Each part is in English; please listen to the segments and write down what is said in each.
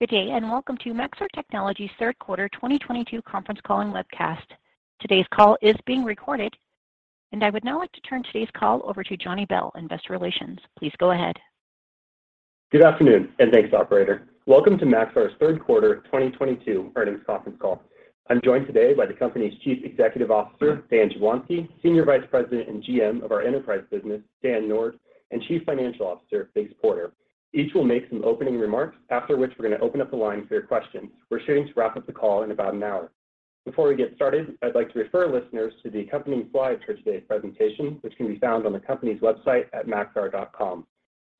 Good day, and welcome to Maxar Technologies' Third Quarter 2022 Conference Call and Webcast. Today's call is being recorded. I would now like to turn today's call over to Jonny Bell in Investor Relations. Please go ahead. Good afternoon, and thanks, operator. Welcome to Maxar's third quarter 2022 earnings conference call. I'm joined today by the company's Chief Executive Officer, Dan Jablonsky, Senior Vice President and GM of our enterprise business, Dan Nord, and Chief Financial Officer, Biggs Porter. Each will make some opening remarks, after which we're going to open up the line for your questions. We're shooting to wrap up the call in about an hour. Before we get started, I'd like to refer listeners to the accompanying slides for today's presentation, which can be found on the company's website at maxar.com.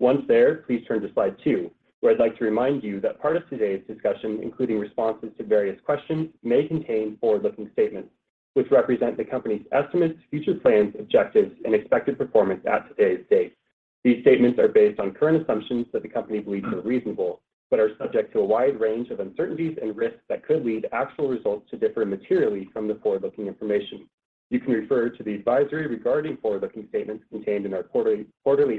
Once there, please turn to slide two, where I'd like to remind you that part of today's discussion, including responses to various questions, may contain forward-looking statements, which represent the company's estimates, future plans, objectives, and expected performance at today's date. These statements are based on current assumptions that the company believes are reasonable, but are subject to a wide range of uncertainties and risks that could lead actual results to differ materially from the forward-looking information. You can refer to the advisory regarding forward-looking statements contained in our quarterly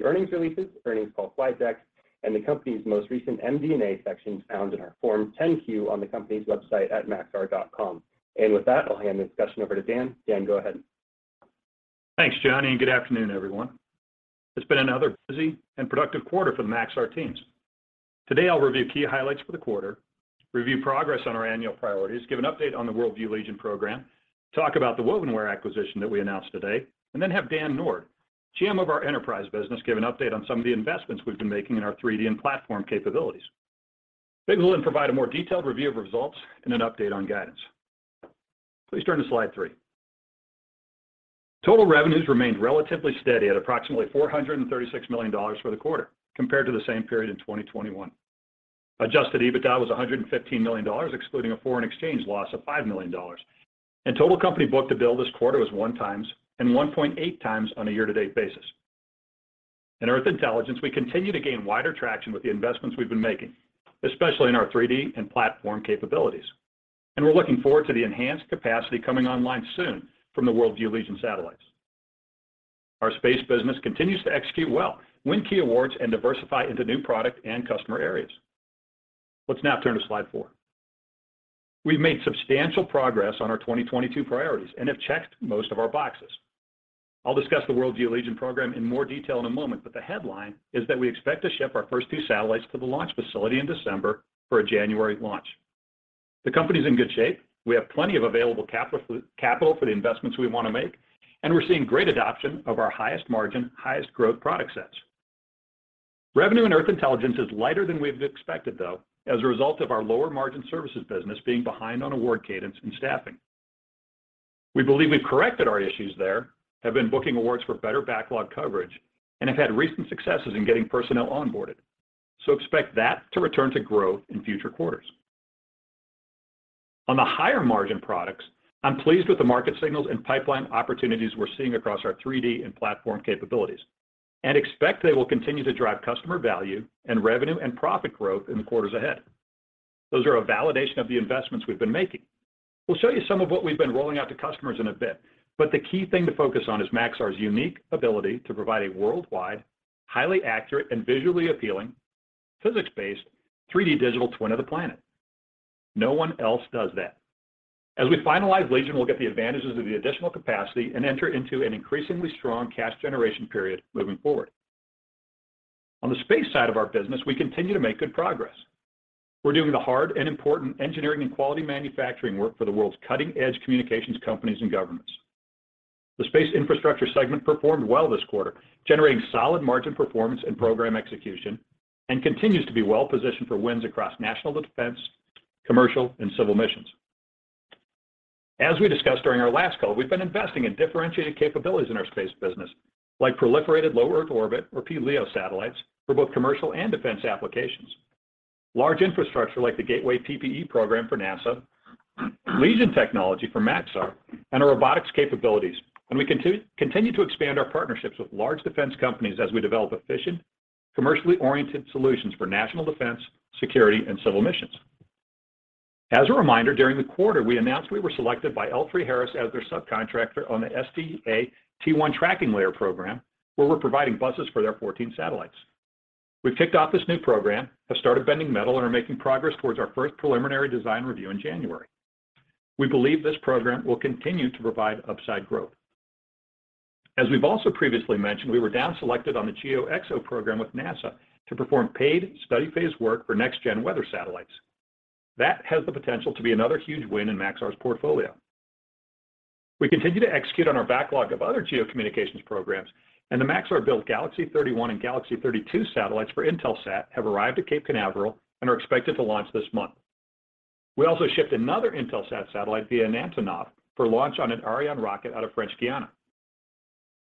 earnings releases, earnings call slide decks, and the company's most recent MD&A sections found in our Form 10-Q on the company's website at maxar.com. With that, I'll hand the discussion over to Dan. Dan, go ahead. Thanks, Jonny, and good afternoon, everyone. It's been another busy and productive quarter for the Maxar teams. Today, I'll review key highlights for the quarter, review progress on our annual priorities, give an update on the WorldView Legion program, talk about the Wovenware acquisition that we announced today, and then have Dan Nord, GM of our enterprise business, give an update on some of the investments we've been making in our 3D and platform capabilities. Biggs will then provide a more detailed review of results and an update on guidance. Please turn to slide three. Total revenues remained relatively steady at approximately $436 million for the quarter compared to the same period in 2021. Adjusted EBITDA was $115 million, excluding a foreign exchange loss of $5 million. Total company book-to-bill this quarter was 1x and 1.8x on a year-to-date basis. Earth Intelligence, we continue to gain wider traction with the investments we've been making, especially in our 3D and platform capabilities. We're looking forward to the enhanced capacity coming online soon from the WorldView Legion satellites. Our space business continues to execute well, win key awards, and diversify into new product and customer areas. Let's now turn to slide four. We've made substantial progress on our 2022 priorities and have checked most of our boxes. I'll discuss the WorldView Legion program in more detail in a moment, but the headline is that we expect to ship our first two satellites to the launch facility in December for a January launch. The company's in good shape. We have plenty of available capital for the investments we want to make, and we're seeing great adoption of our highest margin, highest growth product sets. Revenue Earth Intelligence is lighter than we've expected though, as a result of our lower margin services business being behind on award cadence and staffing. We believe we've corrected our issues there, have been booking awards for better backlog coverage, and have had recent successes in getting personnel onboarded. Expect that to return to growth in future quarters. On the higher margin products, I'm pleased with the market signals and pipeline opportunities we're seeing across our 3D and platform capabilities and expect they will continue to drive customer value and revenue and profit growth in the quarters ahead. Those are a validation of the investments we've been making. We'll show you some of what we've been rolling out to customers in a bit, but the key thing to focus on is Maxar's unique ability to provide a worldwide, highly accurate and visually appealing, physics-based 3D digital twin of the planet. No one else does that. As we finalize Legion, we'll get the advantages of the additional capacity and enter into an increasingly strong cash generation period moving forward. On the space side of our business, we continue to make good progress. We're doing the hard and important engineering and quality manufacturing work for the world's cutting-edge communications companies and governments. The Space Infrastructure segment performed well this quarter, generating solid margin performance and program execution, and continues to be well positioned for wins across national defense, commercial, and civil missions. As we discussed during our last call, we've been investing in differentiated capabilities in our space business, like proliferated low Earth orbit or P-LEO satellites for both commercial and defense applications. Large infrastructure like the Gateway TPE program for NASA, Legion technology for Maxar, and our robotics capabilities. We continue to expand our partnerships with large defense companies as we develop efficient, commercially oriented solutions for national defense, security, and civil missions. As a reminder, during the quarter, we announced we were selected by L3Harris as their subcontractor on the SDA T1 Tracking Layer program, where we're providing buses for their 14 satellites. We've kicked off this new program, have started bending metal, and are making progress towards our first preliminary design review in January. We believe this program will continue to provide upside growth. As we've also previously mentioned, we were down-selected on the GeoXO program with NASA to perform paid study phase work for next gen weather satellites. That has the potential to be another huge win in Maxar's portfolio. We continue to execute on our backlog of other geo communications programs, and the Maxar-built Galaxy 31 and Galaxy 32 satellites for Intelsat have arrived at Cape Canaveral and are expected to launch this month. We also shipped another Intelsat satellite via Antonov for launch on an Ariane rocket out of French Guiana.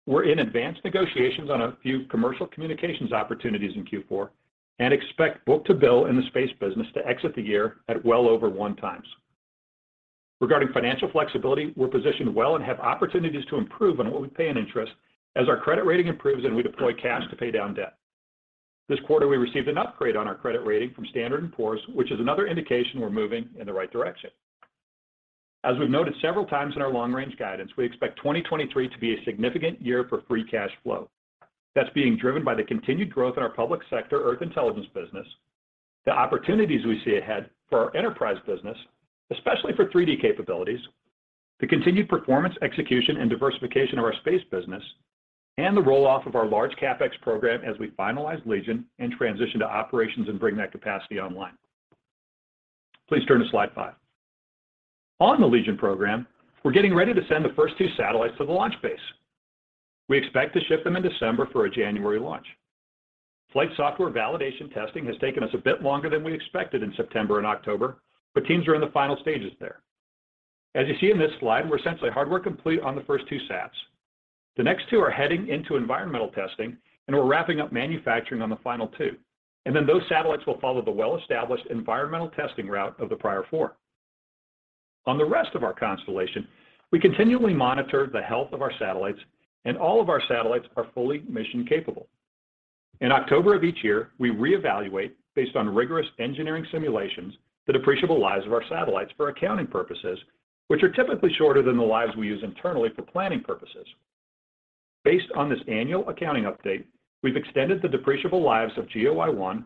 We're in advanced negotiations on a few commercial communications opportunities in Q4 and expect book-to-bill in the space business to exit the year at well over 1x. Regarding financial flexibility, we're positioned well and have opportunities to improve on what we pay in interest as our credit rating improves and we deploy cash to pay down debt. This quarter, we received an upgrade on our credit rating from Standard & Poor's, which is another indication we're moving in the right direction. As we've noted several times in our long range guidance, we expect 2023 to be a significant year for free cash flow. That's being driven by the continued growth in our public Earth Intelligence business, the opportunities we see ahead for our enterprise business, especially for 3D capabilities, the continued performance, execution, and diversification of Space Infrastructure business, and the roll-off of our large CapEx program as we finalize Legion and transition to operations and bring that capacity online. Please turn to slide five. On the Legion program, we're getting ready to send the first two satellites to the launch base. We expect to ship them in December for a January launch. Flight software validation testing has taken us a bit longer than we expected in September and October, but teams are in the final stages there. As you see in this slide, we're essentially hardware complete on the first two sats. The next two are heading into environmental testing, and we're wrapping up manufacturing on the final two, and then those satellites will follow the well-established environmental testing route of the prior four. On the rest of our constellation, we continually monitor the health of our satellites, and all of our satellites are fully mission capable. In October of each year, we reevaluate based on rigorous engineering simulations, the depreciable lives of our satellites for accounting purposes, which are typically shorter than the lives we use internally for planning purposes. Based on this annual accounting update, we've extended the depreciable lives of GeoEye-1,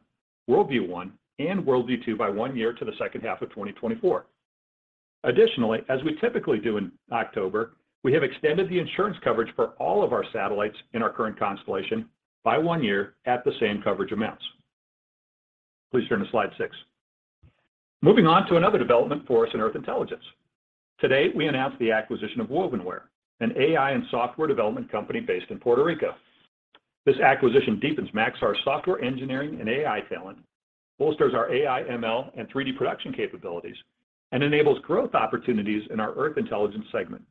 WorldView-1, and WorldView-2 by one year to the second half of 2024. Additionally, as we typically do in October, we have extended the insurance coverage for all of our satellites in our current constellation by one year at the same coverage amounts. Please turn to slide six. Moving on to another development for us Earth Intelligence. today, we announced the acquisition of Wovenware, an AI and software development company based in Puerto Rico. This acquisition deepens Maxar's software engineering and AI talent, bolsters our AI, ML, and 3D production capabilities, and enables growth opportunities in Earth Intelligence segment.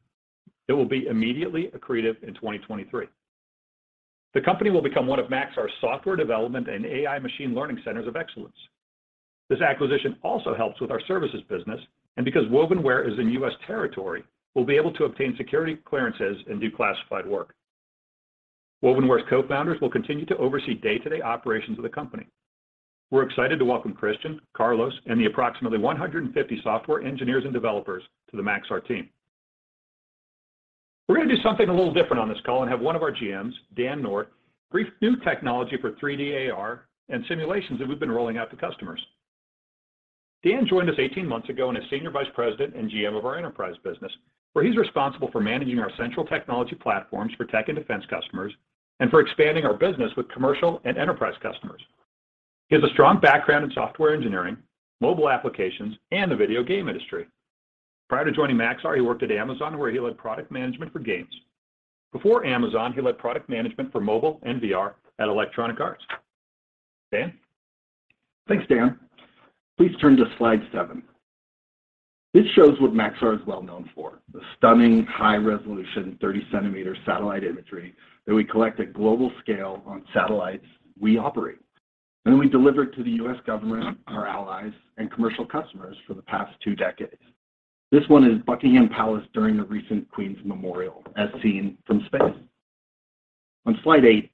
It will be immediately accretive in 2023. The company will become one of Maxar's software development and AI machine learning centers of excellence. This acquisition also helps with our services business, and because Wovenware is in U.S. territory, we'll be able to obtain security clearances and do classified work. Wovenware's cofounders will continue to oversee day-to-day operations of the company. We're excited to welcome Christian, Carlos, and the approximately 150 software engineers and developers to the Maxar team. We're gonna do something a little different on this call and have one of our GMs, Dan Nord, brief new technology for 3D AR and simulations that we've been rolling out to customers. Dan joined us 18 months ago, and is Senior Vice President and GM of our enterprise business, where he's responsible for managing our central technology platforms for tech and defense customers and for expanding our business with commercial and enterprise customers. He has a strong background in software engineering, mobile applications, and the video game industry. Prior to joining Maxar, he worked at Amazon, where he led product management for games. Before Amazon, he led product management for mobile and VR at Electronic Arts. Dan? Thanks, Dan. Please turn to slide seven. This shows what Maxar is well known for, the stunning high-resolution 30-centimeter satellite imagery that we collect at global scale on satellites we operate, and we deliver to the U.S. government, our allies, and commercial customers for the past two decades. This one is Buckingham Palace during the recent Queen's memorial as seen from space. On slide 8,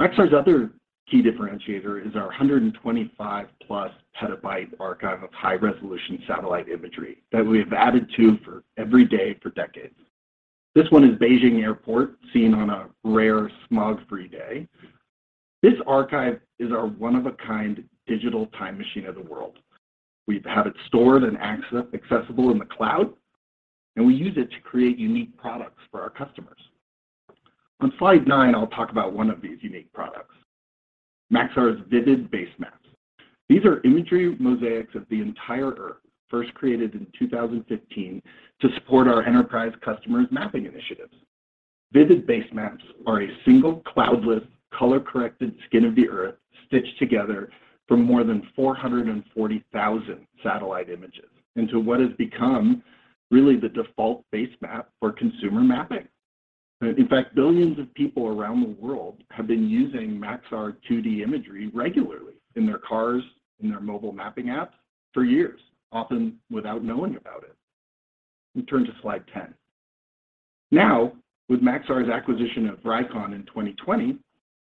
Maxar's other key differentiator is our 125+ PB archive of high-resolution satellite imagery that we have added to every day for decades. This one is Beijing Airport, seen on a rare smog-free day. This archive is our one-of-a-kind digital time machine of the world. We have it stored and accessible in the cloud, and we use it to create unique products for our customers. On slide nine, I'll talk about one of these unique products, Maxar's Vivid Basemaps. These are imagery mosaics of the entire Earth, first created in 2015 to support our enterprise customers' mapping initiatives. Vivid Basemaps are a single cloudless color-corrected skin of the Earth stitched together from more than 440,000 satellite images into what has become really the default base map for consumer mapping. In fact, billions of people around the world have been using Maxar 2D imagery regularly in their cars, in their mobile mapping apps for years, often without knowing about it. We turn to slide 10. Now, with Maxar's acquisition of Vricon in 2020,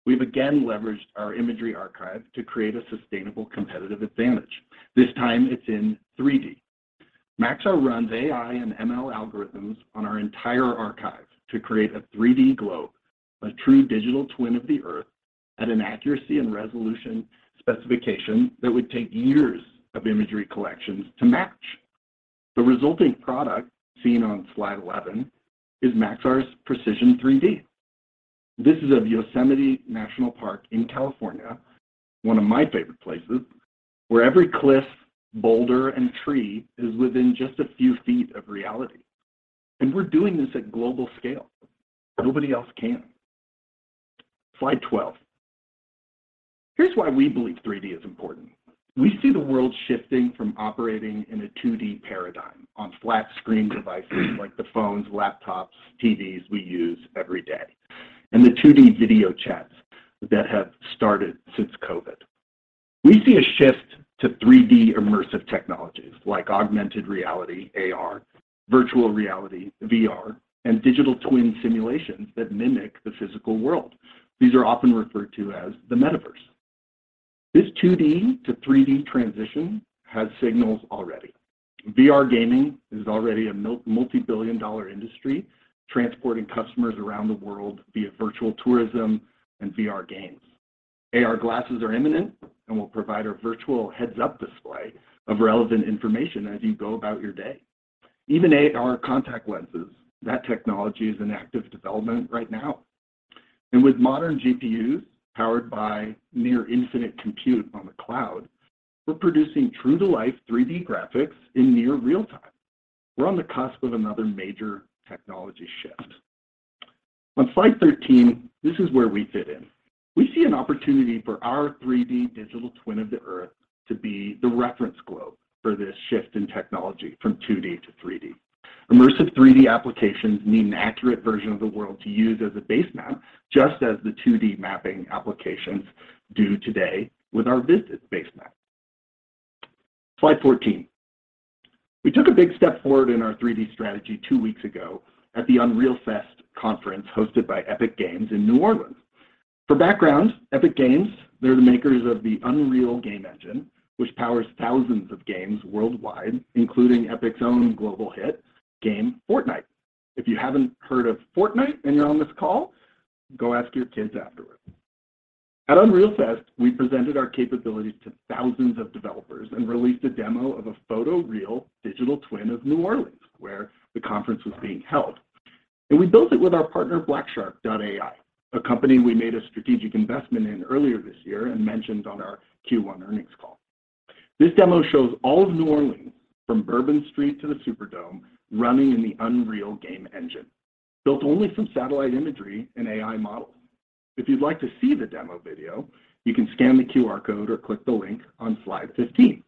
we've again leveraged our imagery archive to create a sustainable competitive advantage. This time it's in 3D. Maxar runs AI and ML algorithms on our entire archive to create a 3D globe, a true digital twin of the Earth at an accuracy and resolution specification that would take years of imagery collections to match. The resulting product, seen on slide 11, is Maxar's Precision3D. This is of Yosemite National Park in California, one of my favorite places, where every cliff, boulder, and tree is within just a few feet of reality. We're doing this at global scale. Nobody else can. Slide 12. Here's why we believe 3D is important. We see the world shifting from operating in a 2D paradigm on flat-screen devices like the phones, laptops, TVs we use every day, and the 2D video chats that have started since COVID. We see a shift to 3D immersive technologies like augmented reality, AR, virtual reality, VR, and digital twin simulations that mimic the physical world. These are often referred to as the metaverse. This 2D to 3D transition has signs already. VR gaming is already a multi-billion-dollar industry, transporting customers around the world via virtual tourism and VR games. AR glasses are imminent and will provide a virtual heads-up display of relevant information as you go about your day. Even AR contact lenses, that technology is in active development right now. With modern GPUs powered by near infinite compute on the cloud, we're producing true-to-life 3D graphics in near real-time. We're on the cusp of another major technology shift. On slide 13, this is where we fit in. We see an opportunity for our 3D digital twin of the Earth to be the reference globe for this shift in technology from 2D to 3D. Immersive 3D applications need an accurate version of the world to use as a base map, just as the 2D mapping applications do today with our Vivid Basemap. Slide 14. We took a big step forward in our 3D strategy two weeks ago at the Unreal Fest conference hosted by Epic Games in New Orleans. For background, Epic Games, they're the makers of the Unreal game engine, which powers thousands of games worldwide, including Epic's own global hit game, Fortnite. If you haven't heard of Fortnite and you're on this call, go ask your kids afterwards. At Unreal Fest, we presented our capabilities to thousands of developers and released a demo of a photoreal digital twin of New Orleans, where the conference was being held. We built it with our partner, blackshark.ai, a company we made a strategic investment in earlier this year and mentioned on our Q1 earnings call. This demo shows all of New Orleans from Bourbon Street to the Superdome running in the Unreal Engine, built only from satellite imagery and AI models. If you'd like to see the demo video, you can scan the QR code or click the link on slide 15.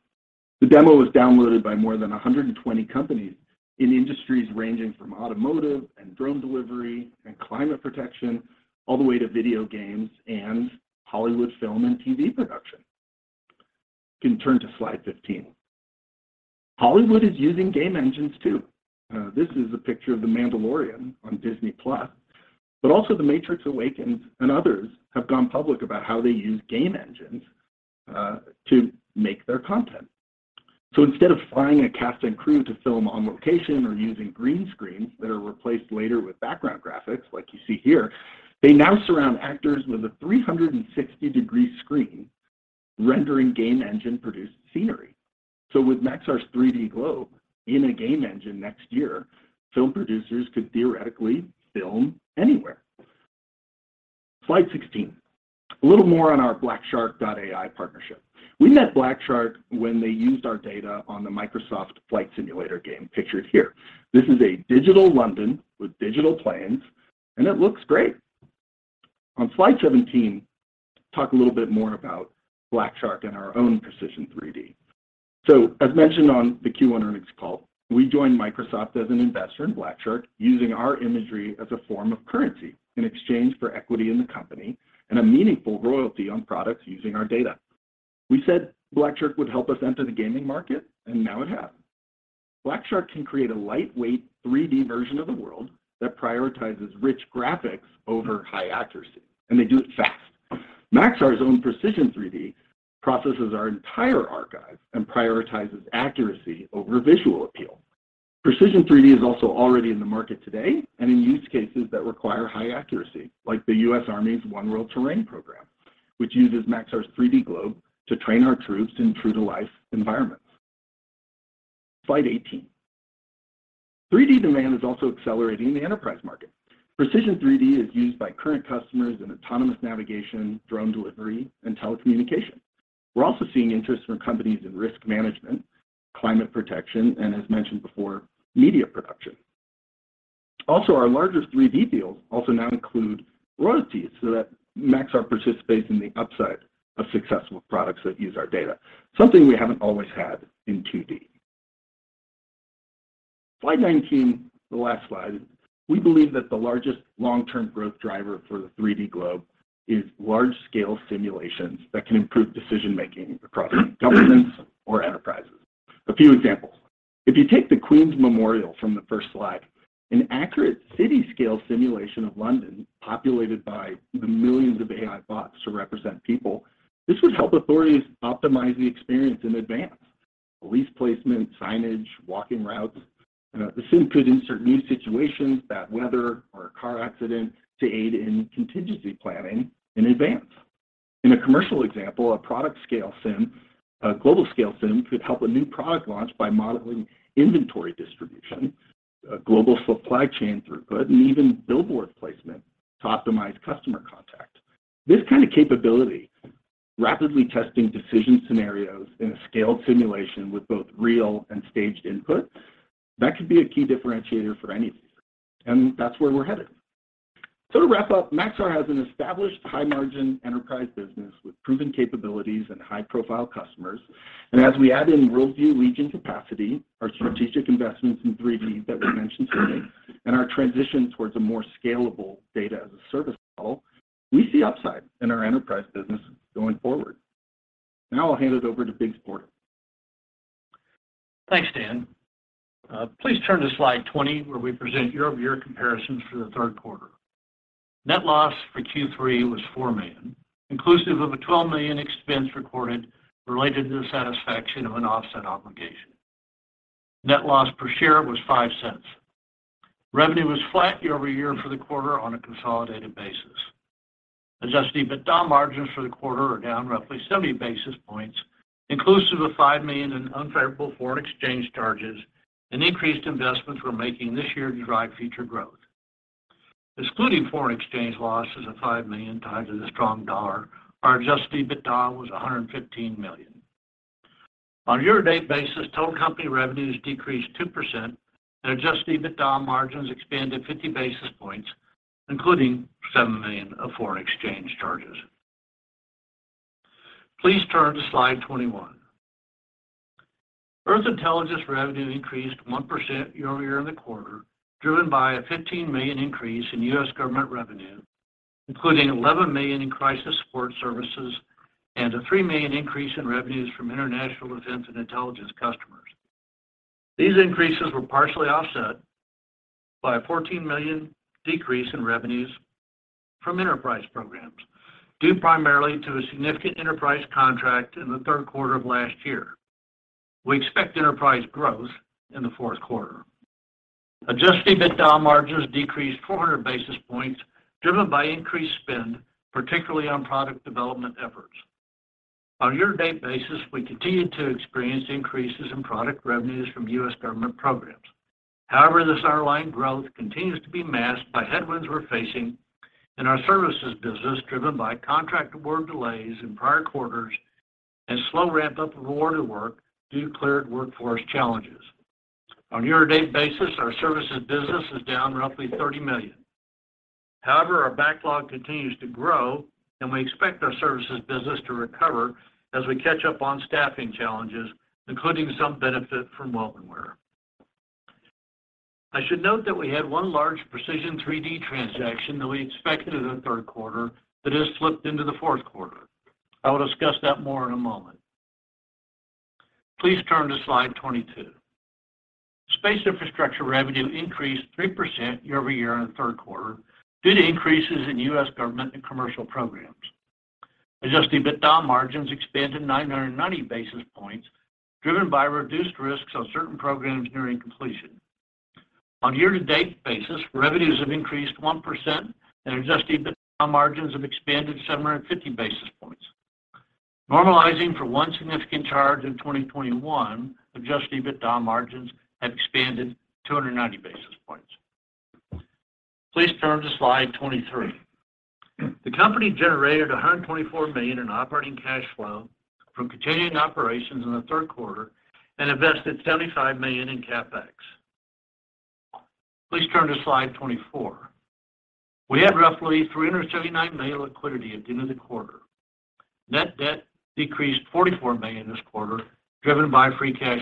The demo was downloaded by more than 120 companies in industries ranging from automotive and drone delivery and climate protection, all the way to video games and Hollywood film and TV production. You can turn to slide 15. Hollywood is using game engines too. This is a picture of The Mandalorian on Disney+, but also The Matrix Awakens, and others have gone public about how they use game engines to make their content. Instead of flying a cast and crew to film on location or using green screens that are replaced later with background graphics like you see here, they now surround actors with a 360-degree screen rendering game engine-produced scenery. With Maxar's 3D globe in a game engine next year, film producers could theoretically film anywhere. Slide 16. A little more on our blackshark.ai partnership. We met Blackshark when they used our data on the Microsoft Flight Simulator game pictured here. This is a digital London with digital planes, and it looks great. On slide 17, talk a little bit more about Blackshark and our own Precision3D. As mentioned on the Q1 earnings call, we joined Microsoft as an investor in Blackshark, using our imagery as a form of currency in exchange for equity in the company and a meaningful royalty on products using our data. We said Blackshark would help us enter the gaming market, and now it has. Blackshark can create a lightweight 3D version of the world that prioritizes rich graphics over high accuracy, and they do it fast. Maxar's own Precision3D processes our entire archive and prioritizes accuracy over visual appeal. Precision3D is also already in the market today and in use cases that require high accuracy, like the U.S. Army's One World Terrain program, which uses Maxar's 3D globe to train our troops in true to life environments. Slide 18. 3D demand is also accelerating in the enterprise market. Precision3D is used by current customers in autonomous navigation, drone delivery, and telecommunication. We're also seeing interest from companies in risk management, climate protection, and as mentioned before, media production. Also, our largest 3D deals also now include royalties so that Maxar participates in the upside of successful products that use our data, something we haven't always had in 2D. Slide 19, the last slide. We believe that the largest long-term growth driver for the 3D globe is large-scale simulations that can improve decision-making across governments or enterprises. A few examples. If you take the Queen's Memorial from the first slide, an accurate city scale simulation of London populated by the millions of AI bots to represent people, this would help authorities optimize the experience in advance. Police placement, signage, walking routes. The sim could insert new situations, bad weather or a car accident, to aid in contingency planning in advance. In a commercial example, a product scale sim, a global scale sim could help a new product launch by modeling inventory distribution, a global supply chain throughput, and even billboard placement to optimize customer contact. This kind of capability, rapidly testing decision scenarios in a scaled simulation with both real and staged input, that could be a key differentiator for any sector, and that's where we're headed. To wrap up, Maxar has an established high-margin enterprise business with proven capabilities and high-profile customers. As we add in WorldView Legion capacity, our strategic investments in 3D that we've mentioned today, and our transition towards a more scalable Data-as-a-Service model, we see upside in our enterprise business going forward. Now I'll hand it over to Biggs Porter. Thanks, Dan. Please turn to slide 20, where we present year-over-year comparisons for the third quarter. Net loss for Q3 was $4 million, inclusive of a $12 million expense recorded related to the satisfaction of an offset obligation. Net loss per share was $0.05. Revenue was flat year-over-year for the quarter on a consolidated basis. Adjusted EBITDA margins for the quarter are down roughly 70 basis points, inclusive of $5 million in unfavorable foreign exchange charges and increased investments we're making this year to drive future growth. Excluding foreign exchange losses of $5 million tied to the strong dollar, our Adjusted EBITDA was $115 million. On a year-to-date basis, total company revenues decreased 2% and Adjusted EBITDA margins expanded 50 basis points, including $7 million of foreign exchange charges. Please turn to slide 21. Earth Intelligence revenue increased 1% year-over-year in the quarter, driven by a $15 million increase in U.S. government revenue, including $11 million in crisis support services and a $3 million increase in revenues from international defense and intelligence customers. These increases were partially offset by a $14 million decrease in revenues from enterprise programs due primarily to a significant enterprise contract in the third quarter of last year. We expect enterprise growth in the fourth quarter. Adjusted EBITDA margins decreased 400 basis points driven by increased spend, particularly on product development efforts. On a year-to-date basis, we continue to experience increases in product revenues from U.S. government programs. However, this underlying growth continues to be masked by headwinds we're facing in our services business driven by contract award delays in prior quarters and slow ramp-up of awarded work due to cleared workforce challenges. On a year-to-date basis, our services business is down roughly $30 million. However, our backlog continues to grow, and we expect our services business to recover as we catch up on staffing challenges, including some benefit from Wovenware. I should note that we had one large Precision3D transaction that we expected in the third quarter that has slipped into the fourth quarter. I will discuss that more in a moment. Please turn to slide 22. Space Infrastructure revenue increased 3% year-over-year in the third quarter due to increases in U.S. government and commercial programs. Adjusted EBITDA margins expanded 990 basis points driven by reduced risks on certain programs nearing completion. On year-to-date basis, revenues have increased 1% and Adjusted EBITDA margins have expanded 750 basis points. Normalizing for one significant charge in 2021, Adjusted EBITDA margins have expanded 290 basis points. Please turn to slide 23. The company generated $124 million in operating cash flow from continuing operations in the third quarter and invested $75 million in CapEx. Please turn to slide 24. We had roughly $379 million liquidity at the end of the quarter. Net debt decreased $44 million this quarter, driven by free cash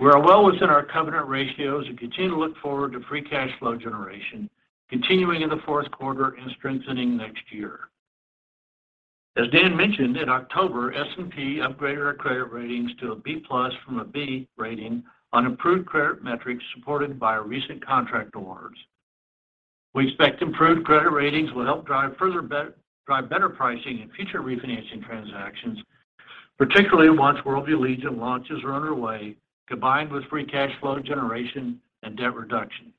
flow generation. We are well within our covenant ratios and continue to look forward to free cash flow generation continuing in the fourth quarter and strengthening next year. As Dan mentioned, in October, S&P upgraded our credit ratings to a B plus from a B rating on improved credit metrics supported by recent contract awards. We expect improved credit ratings will help drive better pricing in future refinancing transactions, particularly once WorldView Legion launches are underway, combined with free cash flow generation and debt reduction.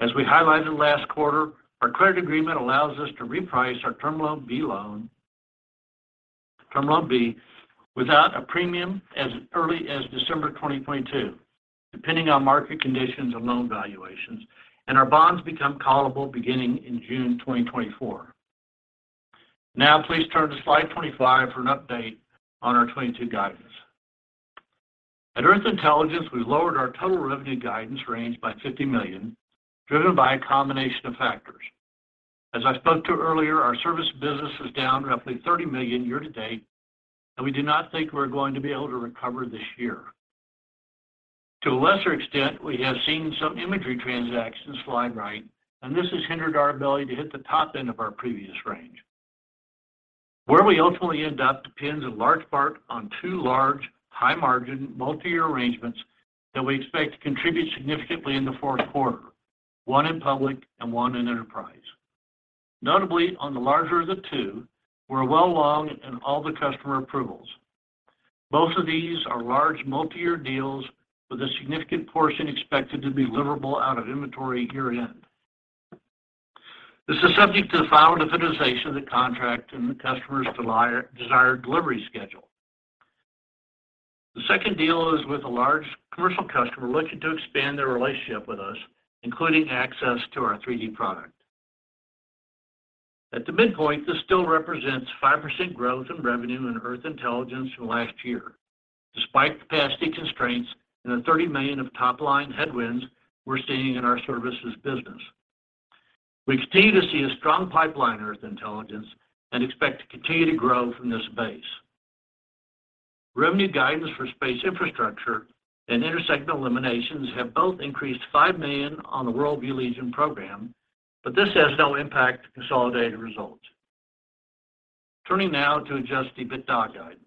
As we highlighted last quarter, our credit agreement allows us to reprice our Term Loan B without a premium as early as December 2022, depending on market conditions and loan valuations, and our bonds become callable beginning in June 2024. Now, please turn to slide 25 for an update on our 2022 guidance. Earth Intelligence, we've lowered our total revenue guidance range by $50 million, driven by a combination of factors. As I spoke to earlier, our service business is down roughly $30 million year-to-date, and we do not think we're going to be able to recover this year. To a lesser extent, we have seen some imagery transactions slide right, and this has hindered our ability to hit the top end of our previous range. Where we ultimately end up depends in large part on two large, high-margin, multi-year arrangements that we expect to contribute significantly in the fourth quarter, one in public and one in enterprise. Notably, on the larger of the two, we're well along in all the customer approvals. Both of these are large multi-year deals with a significant portion expected to be deliverable out of inventory year-end. This is subject to the final definition of the contract and the customer's desired delivery schedule. The second deal is with a large commercial customer looking to expand their relationship with us, including access to our 3D product. At the midpoint, this still represents 5% growth in revenue Earth Intelligence from last year, despite capacity constraints and the $30 million of top-line headwinds we're seeing in our services business. We continue to see a strong Earth Intelligence and expect to continue to grow from this base. Revenue guidance for Space Infrastructure and intersegment eliminations have both increased $5 million on the WorldView Legion program, but this has no impact to consolidated results. Turning now to Adjusted EBITDA guidance.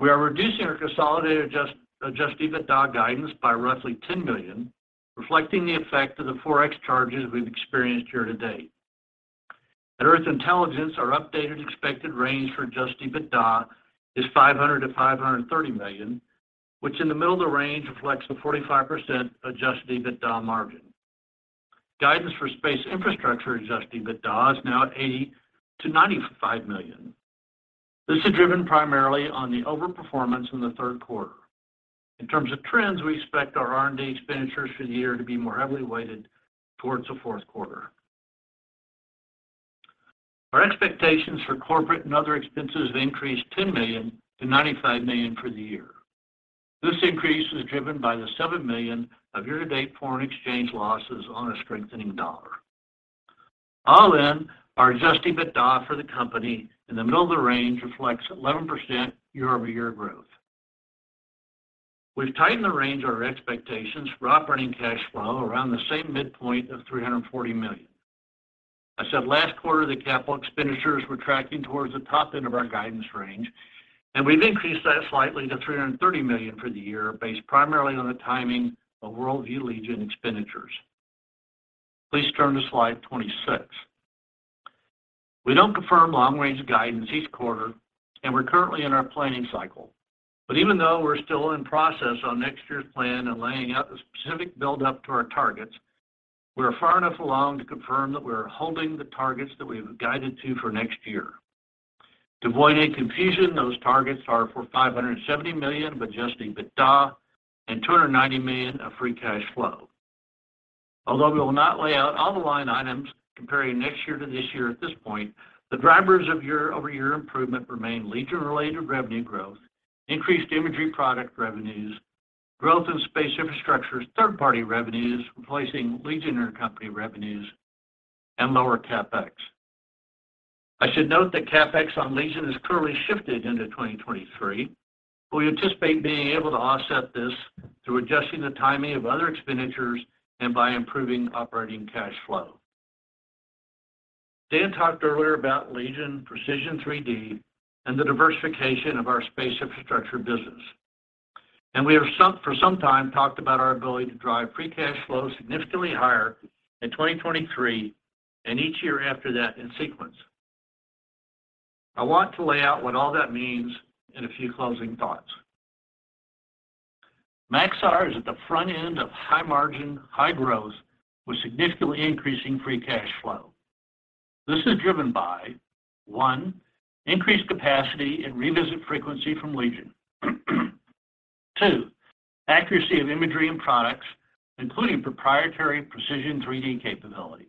We are reducing our consolidated Adjusted EBITDA guidance by roughly $10 million, reflecting the effect of the Forex charges we've experienced year to date. Earth Intelligence, our updated expected range for Adjusted EBITDA is $500 million-530 million, which in the middle of the range reflects a 45% Adjusted EBITDA margin. Guidance for Space Infrastructure Adjusted EBITDA is now at $80 million-95 million. This is driven primarily on the overperformance in the third quarter. In terms of trends, we expect our R&D expenditures for the year to be more heavily weighted towards the fourth quarter. Our expectations for corporate and other expenses have increased $10 million to 95 million for the year. This increase was driven by the $7 million of year-to-date foreign exchange losses on a strengthening dollar. All in, our Adjusted EBITDA for the company in the middle of the range reflects 11% year-over-year growth. We've tightened the range of our expectations for operating cash flow around the same midpoint of $340 million. I said last quarter that capital expenditures were tracking towards the top end of our guidance range, and we've increased that slightly to $330 million for the year, based primarily on the timing of WorldView Legion expenditures. Please turn to slide 26. We don't confirm long-range guidance each quarter, and we're currently in our planning cycle. Even though we're still in process on next year's plan and laying out the specific build-up to our targets, we are far enough along to confirm that we are holding the targets that we've guided to for next year. To avoid any confusion, those targets are for $570 million of Adjusted EBITDA and $290 million of free cash flow. Although we will not lay out all the line items comparing next year to this year at this point, the drivers of year-over-year improvement remain Legion-related revenue growth, increased imagery product revenues, growth Space Infrastructure, third-party revenues replacing Legion intercompany revenues, and lower CapEx. I should note that CapEx on Legion is currently shifted into 2023. We anticipate being able to offset this through adjusting the timing of other expenditures and by improving operating cash flow. Dan talked earlier about Legion Precision3D and the diversification of our Space Infrastructure business. We have for some time talked about our ability to drive free cash flow significantly higher in 2023 and each year after that in sequence. I want to lay out what all that means in a few closing thoughts. Maxar is at the front end of high margin, high growth with significantly increasing free cash flow. This is driven by one, increased capacity and revisit frequency from Legion. Two, accuracy of imagery and products, including proprietary Precision3D capability.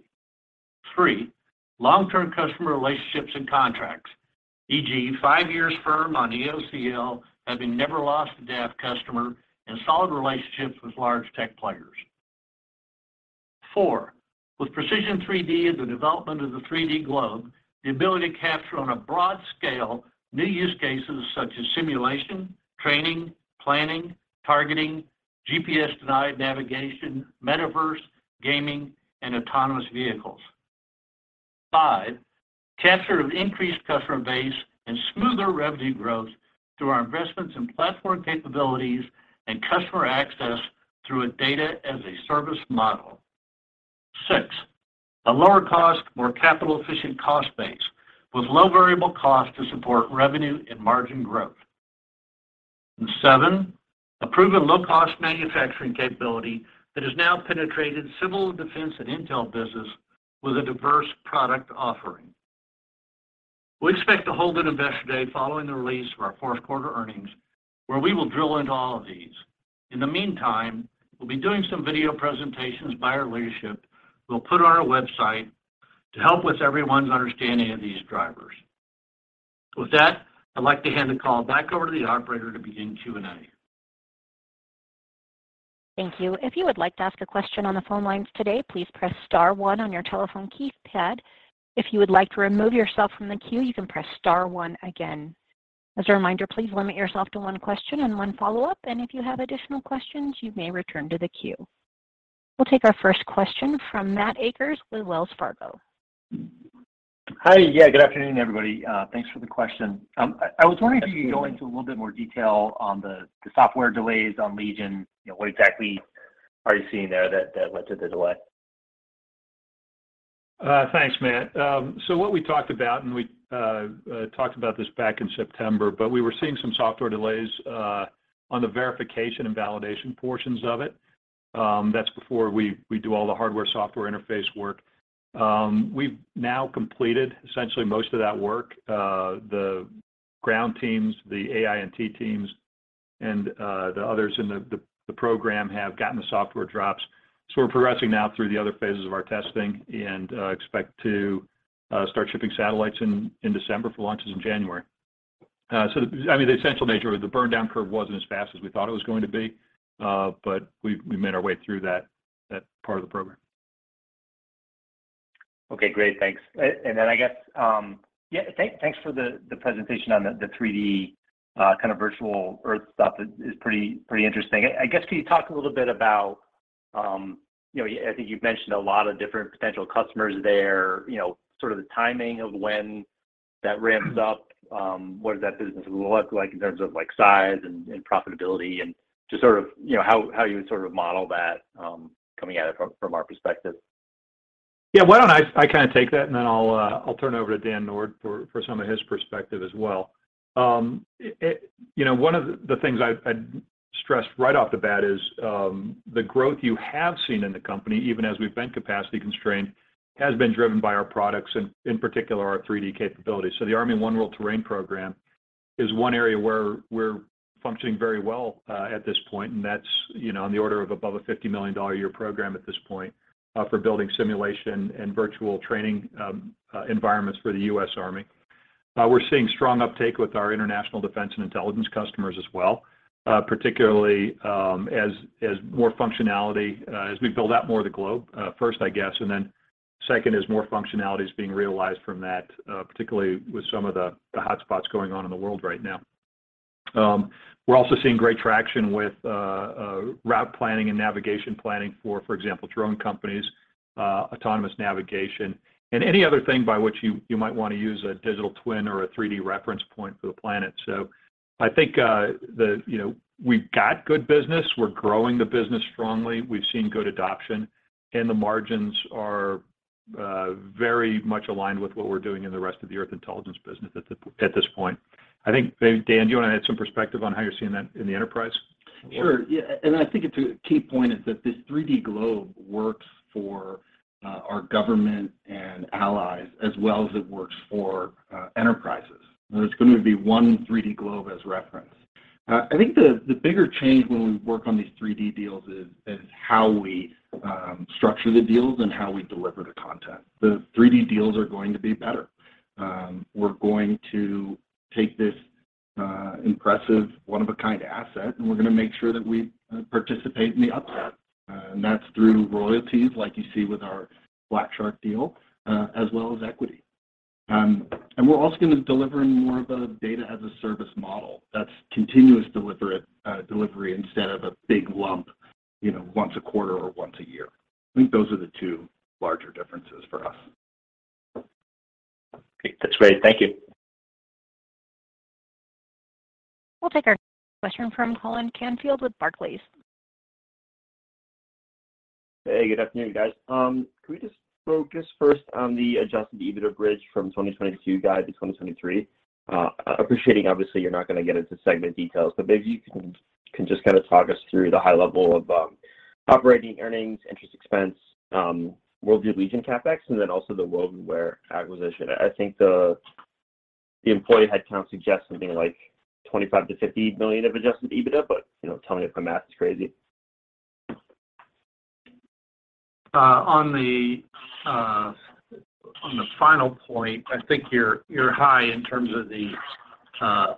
three, long-term customer relationships and contracts, e.g., five years firm on EOCL, having never lost a DAF customer, and solid relationships with large tech players. Four, with Precision3D and the development of the 3D globe, the ability to capture on a broad scale new use cases such as simulation, training, planning, targeting, GPS-denied navigation, metaverse, gaming, and autonomous vehicles. Five, capture of increased customer base and smoother revenue growth through our investments in platform capabilities and customer access through a data-as-a-service model. Six, a lower cost, more capital-efficient cost base with low variable cost to support revenue and margin growth. Seven, a proven low-cost manufacturing capability that has now penetrated civil defense and intel business with a diverse product offering. We expect to hold an Investor Day following the release of our fourth quarter earnings, where we will drill into all of these. In the meantime, we'll be doing some video presentations by our leadership we'll put on our website to help with everyone's understanding of these drivers. With that, I'd like to hand the call back over to the operator to begin Q&A. Thank you. If you would like to ask a question on the phone lines today, please press star one on your telephone keypad. If you would like to remove yourself from the queue, you can press star one again. As a reminder, please limit yourself to one question and one follow-up, and if you have additional questions, you may return to the queue. We'll take our first question from Matt Akers with Wells Fargo. Hi. Yeah, good afternoon, everybody. Thanks for the question. I was wondering if you could go into a little bit more detail on the software delays on Legion. You know, what exactly are you seeing there that led to the delay? Thanks, Matt. What we talked about, we talked about this back in September, but we were seeing some software delays on the verification and validation portions of it. That's before we do all the hardware-software interface work. We've now completed essentially most of that work. The ground teams, the AI&T teams, and the others in the program have gotten the software drops. We're progressing now through the other phases of our testing and expect to start shipping satellites in December for launches in January. I mean, the essential nature of the burn-down curve wasn't as fast as we thought it was going to be, but we made our way through that part of the program. Okay. Great. Thanks. I guess, yeah, thanks for the presentation on the 3D kind of virtual earth stuff. It is pretty interesting. I guess, can you talk a little bit about, you know, I think you've mentioned a lot of different potential customers there, you know, sort of the timing of when that ramps up, what does that business look like in terms of, like, size and profitability and just sort of, you know, how you would sort of model that, coming at it from our perspective? Yeah. Why don't I kind of take that, and then I'll turn it over to Dan Nord for some of his perspective as well. You know, one of the things I'd stress right off the bat is the growth you have seen in the company, even as we've been capacity constrained, has been driven by our products and in particular our 3D capability. The Army One World Terrain program is one area where we're functioning very well at this point, and that's on the order of above a $50 million a year program at this point for building simulation and virtual training environments for the U.S. Army. We're seeing strong uptake with our international defense and intelligence customers as well, particularly as more functionality as we build out more of the globe, first, I guess. Second is more functionality is being realized from that, particularly with some of the hotspots going on in the world right now. We're also seeing great traction with route planning and navigation planning for example, drone companies, autonomous navigation, and any other thing by which you might want to use a digital twin or a 3D reference point for the planet. I think, you know, we've got good business. We're growing the business strongly. We've seen good adoption, and the margins are very much aligned with what we're doing in the rest of Earth Intelligence business at this point. I think, Dan, do you want to add some perspective on how you're seeing that in the enterprise a little? Sure. Yeah. I think it's a key point is that this 3D globe works for our government and allies as well as it works for enterprises. There's going to be one 3D globe as reference. I think the bigger change when we work on these 3D deals is how we structure the deals and how we deliver the content. The 3D deals are going to be better. We're going to take this impressive one-of-a-kind asset, and we're gonna make sure that we participate in the upside. That's through royalties like you see with our Blackshark deal, as well as equity. We're also gonna deliver more of a Data-as-a-Service model. That's continuous delivery instead of a big lump, you know, once a quarter or once a year. I think those are the two larger differences for us. Great. That's great. Thank you. We'll take our next question from Colin Canfield with Barclays. Hey, good afternoon, guys. Can we just focus first on the Adjusted EBITDA bridge from 2022 guide to 2023? Appreciating obviously you're not gonna get into segment details, but maybe you can just kind of talk us through the high level of operating earnings, interest expense, WorldView Legion CapEx, and then also the Wovenware acquisition. I think the employee headcount suggests something like $25 million-50million of Adjusted EBITDA, but, you know, tell me if my math is crazy. On the final point, I think you're high in terms of the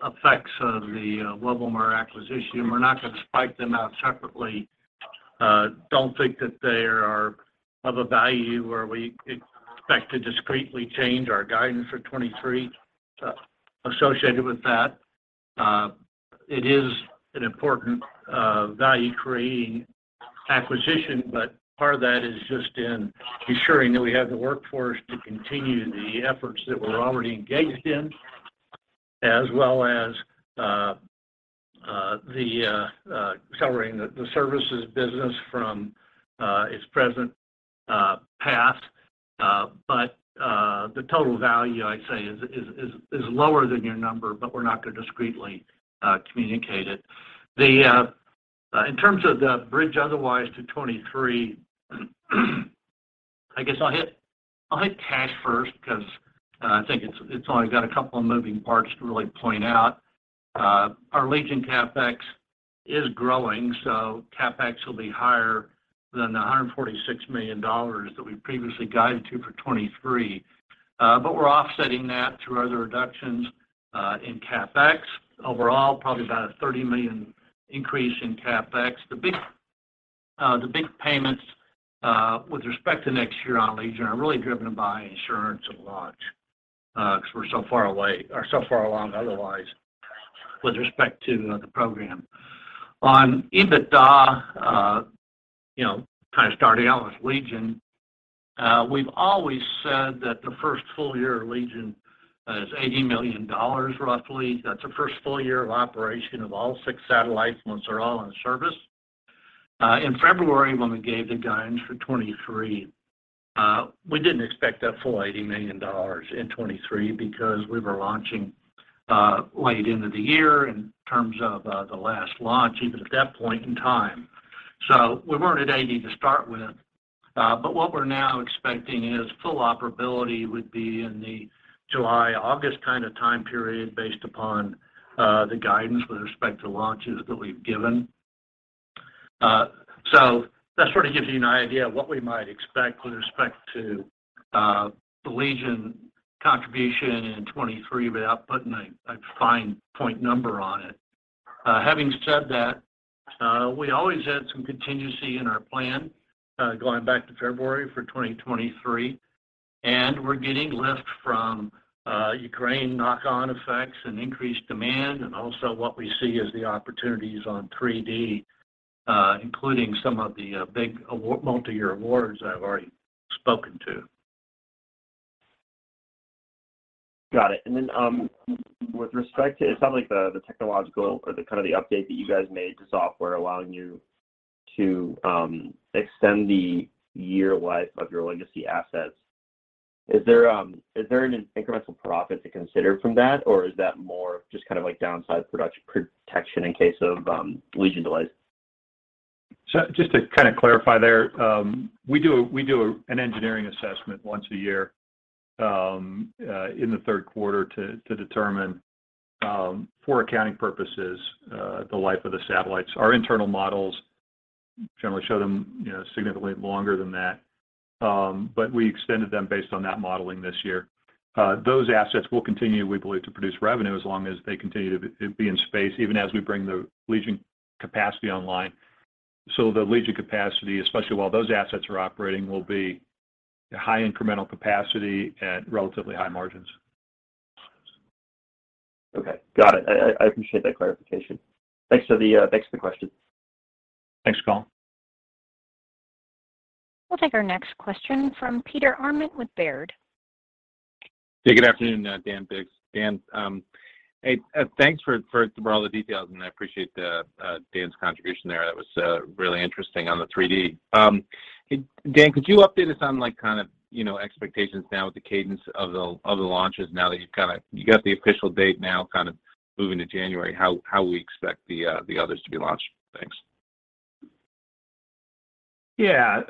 effects of the Wovenware acquisition. We're not gonna spike them out separately. Don't think that they are of a value where we expect to discretely change our guidance for 2023 associated with that. It is an important value-creating acquisition, but part of that is just in ensuring that we have the workforce to continue the efforts that we're already engaged in, as well as covering the services business from its present path. The total value I'd say is lower than your number, but we're not gonna discretely communicate it. In terms of the bridge otherwise to 2023, I guess I'll hit cash first because I think it's only got a couple of moving parts to really point out. Our Legion CapEx is growing, so CapEx will be higher than the $146 million that we previously guided to for 2023. But we're offsetting that through other reductions in CapEx. Overall, probably about a $30 million increase in CapEx. The big payments with respect to next year on Legion are really driven by insurance and launch because we're so far away or so far along otherwise with respect to the program. On EBITDA, you know, kind of starting out with Legion, we've always said that the first full year of Legion is $80 million roughly. That's the first full year of operation of all six satellites once they're all in service. In February, when we gave the guidance for 2023, we didn't expect that full $80 million in 2023 because we were launching late into the year in terms of the last launch, even at that point in time. We weren't at $80 million to start with. What we're now expecting is full operability would be in the July, August kind of time period based upon the guidance with respect to launches that we've given. That sort of gives you an idea of what we might expect with respect to the Legion contribution in 2023 without putting a fine point number on it. Having said that, we always had some contingency in our plan, going back to February for 2023. We're getting lift from Ukraine knock-on effects and increased demand, and also what we see as the opportunities on 3D, including some of the multiyear awards I've already spoken to. Got it. With respect to, it sounds like the technological or the kind of update that you guys made to software allowing you to extend the life of your legacy assets, is there an incremental profit to consider from that, or is that more just kind of like downside protection in case of Legion delays? Just to kind of clarify there, we do an engineering assessment once a year in the third quarter to determine for accounting purposes the life of the satellites. Our internal models generally show them, you know, significantly longer than that. We extended them based on that modeling this year. Those assets will continue, we believe, to produce revenue as long as they continue to be in space, even as we bring the Legion capacity online. The Legion capacity, especially while those assets are operating, will be high incremental capacity at relatively high margins. Okay. Got it. I appreciate that clarification. Thanks for the question. Thanks, Colin. We'll take our next question from Peter Arment with Baird. Hey, good afternoon, Dan, Biggs. Dan, hey, thanks for all the details, and I appreciate Dan's contribution there. That was really interesting on the 3D. Hey, Dan, could you update us on, like, kind of, you know, expectations now with the cadence of the launches now that you've kind of got the official date now kind of moving to January, how we expect the others to be launched? Thanks. Yeah.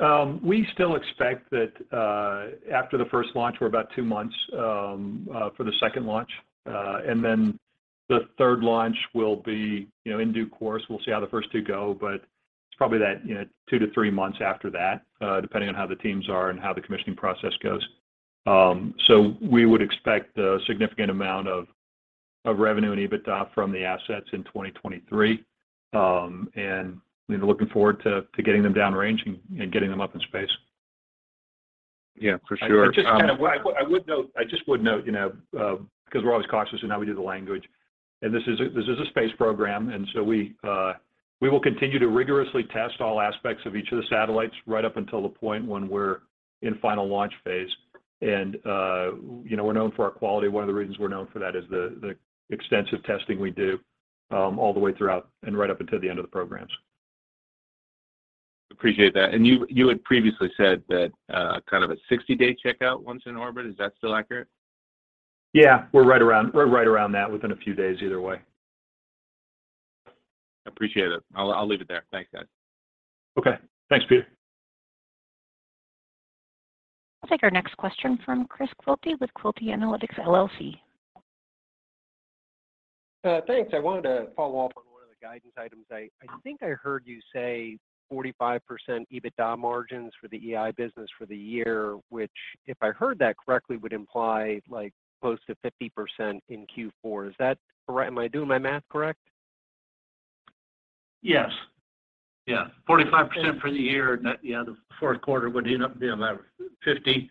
We still expect that after the first launch, we're about two months for the second launch. Then the third launch will be, you know, in due course. We'll see how the first two go, but it's probably that, you know, two to three months after that, depending on how the teams are and how the commissioning process goes. We would expect a significant amount of revenue and EBITDA from the assets in 2023. We're looking forward to getting them downrange and getting them up in space. Yeah, for sure. I would note, you know, because we're always cautious in how we do the language, and this is a space program, and so we will continue to rigorously test all aspects of each of the satellites right up until the point when we're in final launch phase. You know, we're known for our quality. One of the reasons we're known for that is the extensive testing we do all the way throughout and right up until the end of the programs. Appreciate that. You had previously said that, kind of a 60-day checkout once in orbit. Is that still accurate? Yeah. We're right around that within a few days either way. Appreciate it. I'll leave it there. Thanks, guys. Okay. Thanks, Peter. I'll take our next question from Chris Quilty with Quilty Analytics LLC. Thanks. I wanted to follow up on one of the guidance items. I think I heard you say 45% EBITDA margins for the EI business for the year, which if I heard that correctly, would imply like close to 50% in Q4. Is that correct? Am I doing my math correct? Yes. Yeah. 45% for the year. That, the fourth quarter would end up being about 50.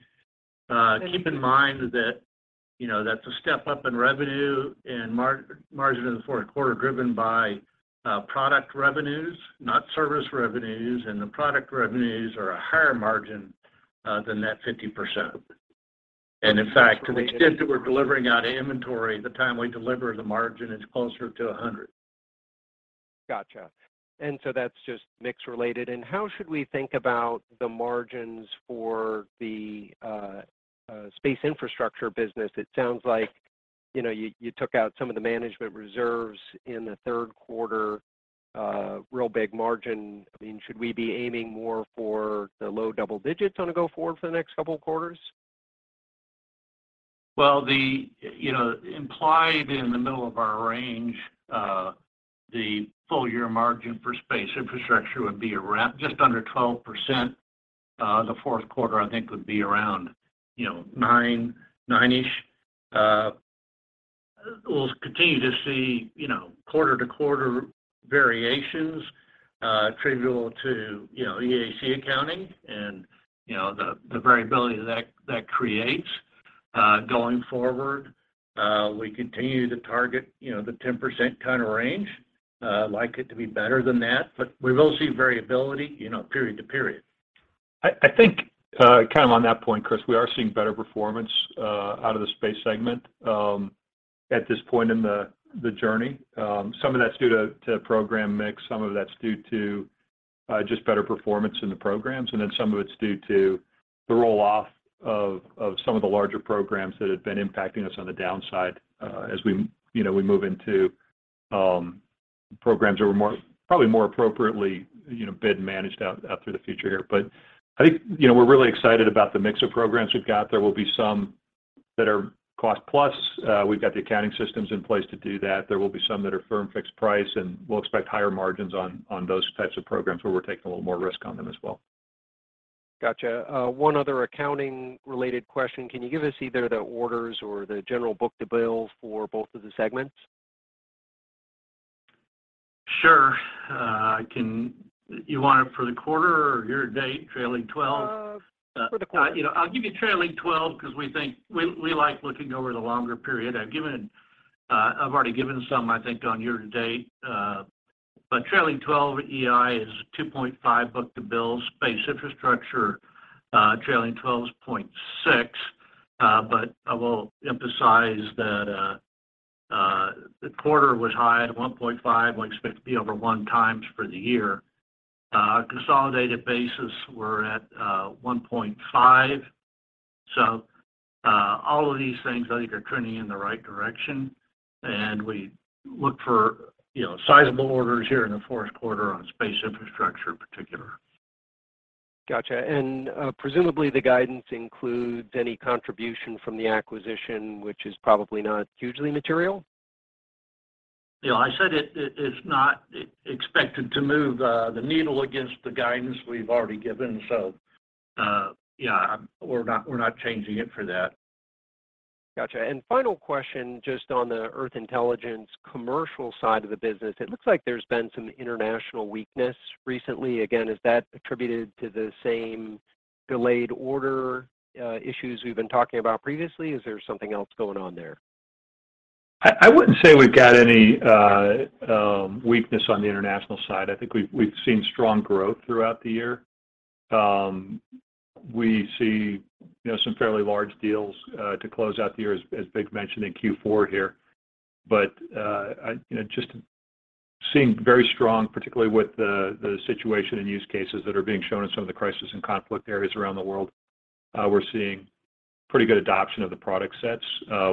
Keep in mind that, you know, that's a step up in revenue and margin in the fourth quarter driven by product revenues, not service revenues. The product revenues are a higher margin than that 50%. In fact, to the extent that we're delivering our inventory, the time we deliver the margin is closer to 100. Gotcha. That's just mix related. How should we think about the margins for the Space Infrastructure business? It sounds like, you know, you took out some of the management reserves in the third quarter, really big margin. I mean, should we be aiming more for the low double digits going forward for the next couple of quarters? Well, you know, implied in the middle of our range, the full year margin for Space Infrastructure would be around just under 12%. The fourth quarter I think would be around, you know, 9%-ish. We'll continue to see, you know, quarter-to-quarter variations, attributable to, you know, EAC accounting and, you know, the variability that creates. Going forward, we continue to target, you know, the 10% kind of range. Like it to be better than that, but we will see variability, you know, period to period. I think, kind of on that point, Chris, we are seeing better performance out of the Space segment, at this point in the journey. Some of that's due to program mix, some of that's due to just better performance in the programs, and then some of it's due to the roll-off of some of the larger programs that have been impacting us on the downside, as we, you know, move into programs that were more, probably more appropriately, you know, bid and managed out through the future here. I think, you know, we're really excited about the mix of programs we've got. There will be some that are cost plus. We've got the accounting systems in place to do that. There will be some that are firm fixed price, and we'll expect higher margins on those types of programs where we're taking a little more risk on them as well. Gotcha. One other accounting related question. Can you give us either the orders or the general book-to-bill for both of the segments? Sure. You want it for the quarter or year-to-date, trailing twelve? For the quarter. You know, I'll give you trailing twelve because we think we like looking over the longer period. I've already given some, I think, on year-to-date. But trailing twelve EI is 2.5 book-to-bill. Space Infrastructure, trailing twelve is 0.6. But I will emphasize that the quarter was high at 1.5. We expect to be over 1x for the year. Consolidated basis, we're at 1.5. All of these things I think are trending in the right direction, and we look for, you know, sizable orders here in the fourth quarter on Space Infrastructure in particular. Gotcha. Presumably the guidance includes any contribution from the acquisition, which is probably not hugely material? You know, I said it is not expected to move the needle against the guidance we've already given. Yeah, we're not changing it for that. Gotcha. Final question, just on Earth Intelligence commercial side of the business. It looks like there's been some international weakness recently. Again, is that attributed to the same delayed order, issues we've been talking about previously? Is there something else going on there? I wouldn't say we've got any weakness on the international side. I think we've seen strong growth throughout the year. We see you know some fairly large deals to close out the year as Big mentioned in Q4 here. You know just seeing very strong, particularly with the situation and use cases that are being shown in some of the crisis and conflict areas around the world, we're seeing pretty good adoption of the product sets.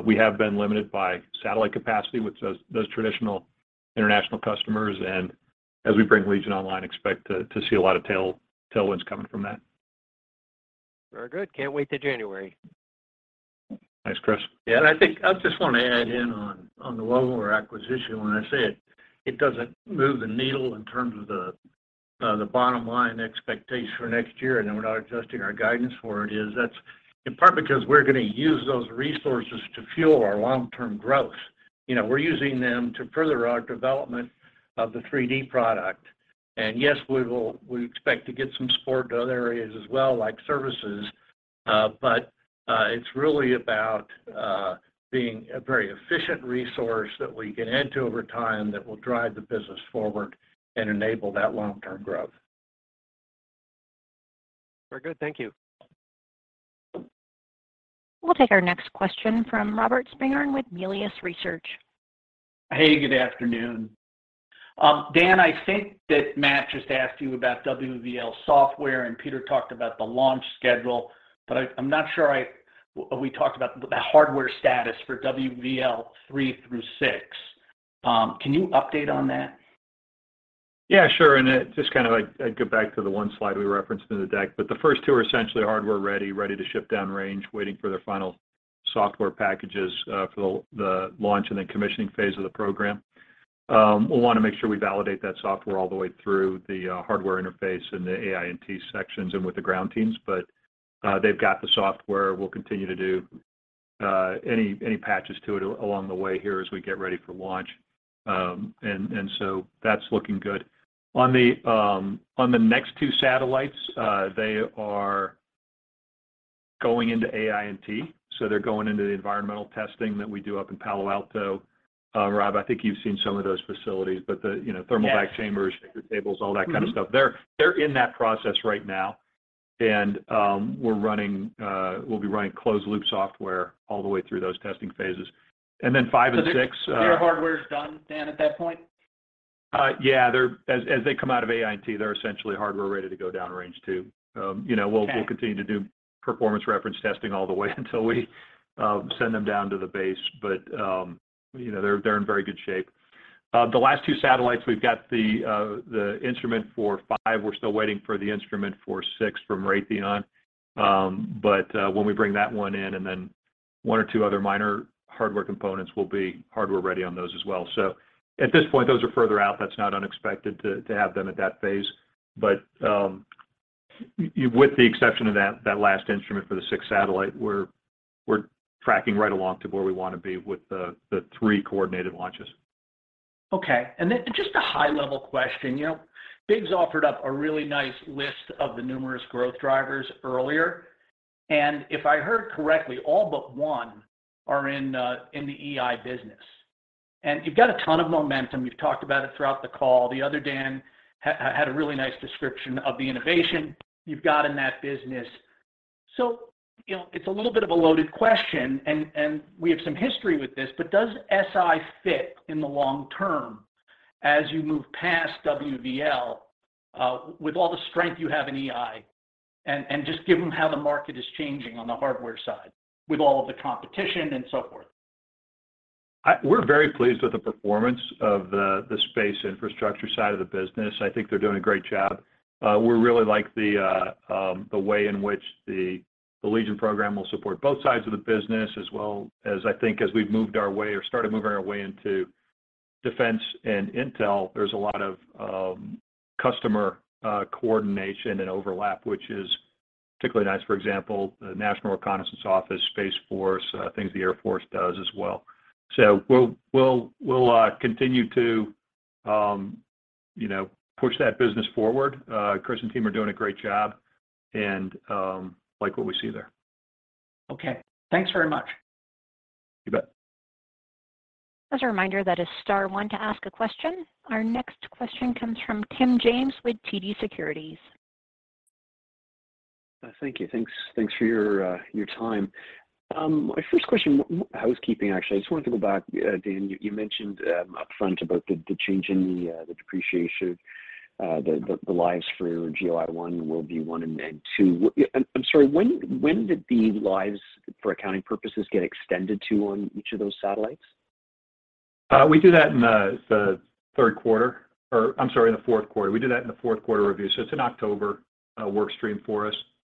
We have been limited by satellite capacity with those traditional international customers. As we bring Legion online, expect to see a lot of tailwinds coming from that. Very good. Can't wait till January. Thanks, Chris. Yeah. I think I just want to add in on the Wovenware acquisition. When I say it doesn't move the needle in terms of the bottom line expectations for next year, and then we're not adjusting our guidance for it. That's in part because we're gonna use those resources to fuel our long-term growth. You know, we're using them to further our development of the 3D product. Yes, we expect to get some support to other areas as well, like services. But it's really about being a very efficient resource that we can add to over time that will drive the business forward and enable that long-term growth. Very good. Thank you. We'll take our next question from Robert Spingarn with Melius Research. Hey, good afternoon. Dan, I think that Matt just asked you about WVL software, and Peter talked about the launch schedule. I'm not sure we talked about the hardware status for WVL three through six. Can you update on that? Yeah, sure. Just kind of like, I go back to the one slide we referenced in the deck, but the first two are essentially hardware ready to ship downrange, waiting for their final software packages for the launch and then commissioning phase of the program. We'll want to make sure we validate that software all the way through the hardware interface and the AI&T sections and with the ground teams. They've got the software. We'll continue to do any patches to it along the way here as we get ready for launch. That's looking good. On the next two satellites, they are going into AI&T. They're going into the environmental testing that we do up in Palo Alto. Rob, I think you've seen some of those facilities. Yes. Thermal vac chambers, shaker tables, all that kind of stuff. They're in that process right now. We'll be running closed loop software all the way through those testing phases. Then five and six. Their hardware is done, Dan, at that point? Yeah. As they come out of AI&T, they're essentially hardware ready to go downrange too. You know, we'll- Okay We'll continue to do performance reference testing all the way until we send them down to the base. You know, they're in very good shape. The last two satellites, we've got the instrument for five. We're still waiting for the instrument for six from Raytheon. When we bring that one in, and then one or two other minor hardware components, we'll be hardware ready on those as well. At this point, those are further out. That's not unexpected to have them at that phase. With the exception of that last instrument for the sixth satellite, we're tracking right along to where we want to be with the three coordinated launches. Okay. Then just a high-level question. You know, Biggs's offered up a really nice list of the numerous growth drivers earlier, and if I heard correctly, all but one are in the EI business. You've got a ton of momentum. You've talked about it throughout the call. The other Dan had a really nice description of the innovation you've got in that business. You know, it's a little bit of a loaded question and we have some history with this, but does SI fit in the long term as you move past WVL with all the strength you have in EI and just given how the market is changing on the hardware side with all of the competition and so forth? We're very pleased with the performance of the Space Infrastructure side of the business. I think they're doing a great job. We really like the way in which the Legion program will support both sides of the business as well as, I think, as we've moved our way or started moving our way into defense and intel, there's a lot of customer coordination and overlap, which is particularly nice, for example, the National Reconnaissance Office, Space Force, things the Air Force does as well. We'll continue to, you know, push that business forward. Chris and team are doing a great job, and like what we see there. Okay. Thanks very much. You bet. As a reminder, that is star one to ask a question. Our next question comes from Tim James with TD Securities. Thank you. Thanks for your time. My first question is housekeeping, actually. I just wanted to go back. Dan, you mentioned upfront about the change in the depreciation lives for GeoEye-1, WorldView-1 and WorldView-2. I'm sorry, when did the lives for accounting purposes get extended to on each of those satellites? We do that in the third quarter. I'm sorry, in the fourth quarter. We do that in the fourth quarter review. It's an October work stream for us,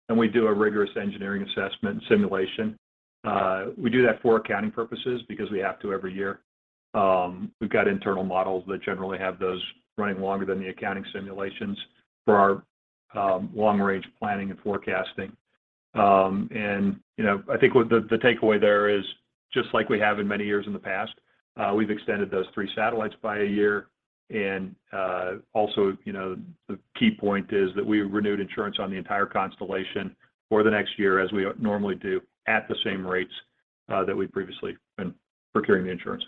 and we do a rigorous engineering assessment and simulation. We do that for accounting purposes because we have to every year. We've got internal models that generally have those running longer than the accounting simulations for our long range planning and forecasting. You know, I think what the takeaway there is just like we have in many years in the past, we've extended those three satellites by a year. Also, you know, the key point is that we've renewed insurance on the entire constellation for the next year as we normally do at the same rates that we've previously been procuring the insurance.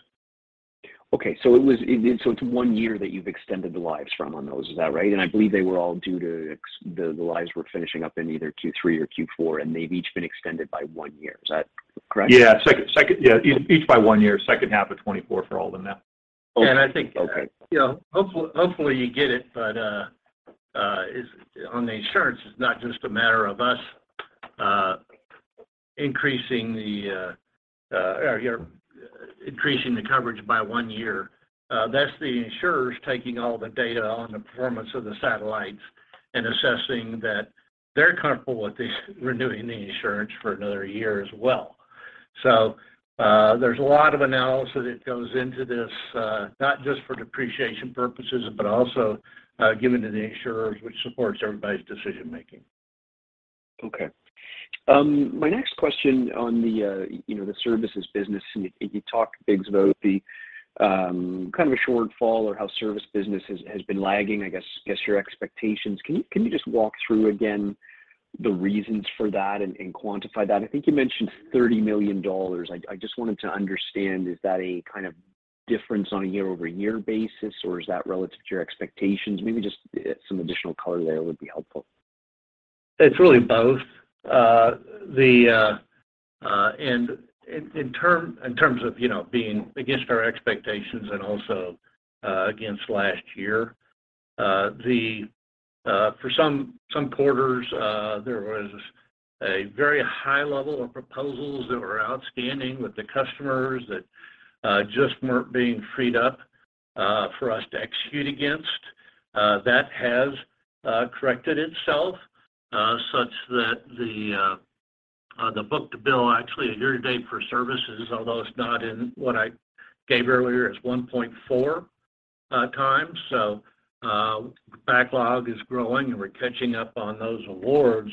It's one year that you've extended the lives from on those. Is that right? I believe they were all due to expire. The lives were finishing up in either Q3 or Q4, and they've each been extended by one year. Is that correct? Second, each by one year, second half of 2024 for all of them now. Okay. Okay. I think, you know, hopefully you get it, but on the insurance, it's not just a matter of us increasing the coverage by one year. That's the insurers taking all the data on the performance of the satellites and assessing that they're comfortable with this renewing the insurance for another year as well. There's a lot of analysis that goes into this, not just for depreciation purposes, but also given to the insurers, which supports everybody's decision making. Okay. My next question on the, you know, the services business. You talked Biggs about the kind of a shortfall or how services business has been lagging, I guess your expectations. Can you just walk through again the reasons for that and quantify that? I think you mentioned $30 million. I just wanted to understand, is that a kind of difference on a year-over-year basis, or is that relative to your expectations? Maybe just some additional color there would be helpful. It's really both. In terms of, you know, being against our expectations and also against last year, for some quarters, there was a very high level of proposals that were outstanding with the customers that just weren't being freed up for us to execute against. That has corrected itself such that the book-to-bill actually year to date for services, although it's not in what I gave earlier, is 1.4x. Backlog is growing, and we're catching up on those awards.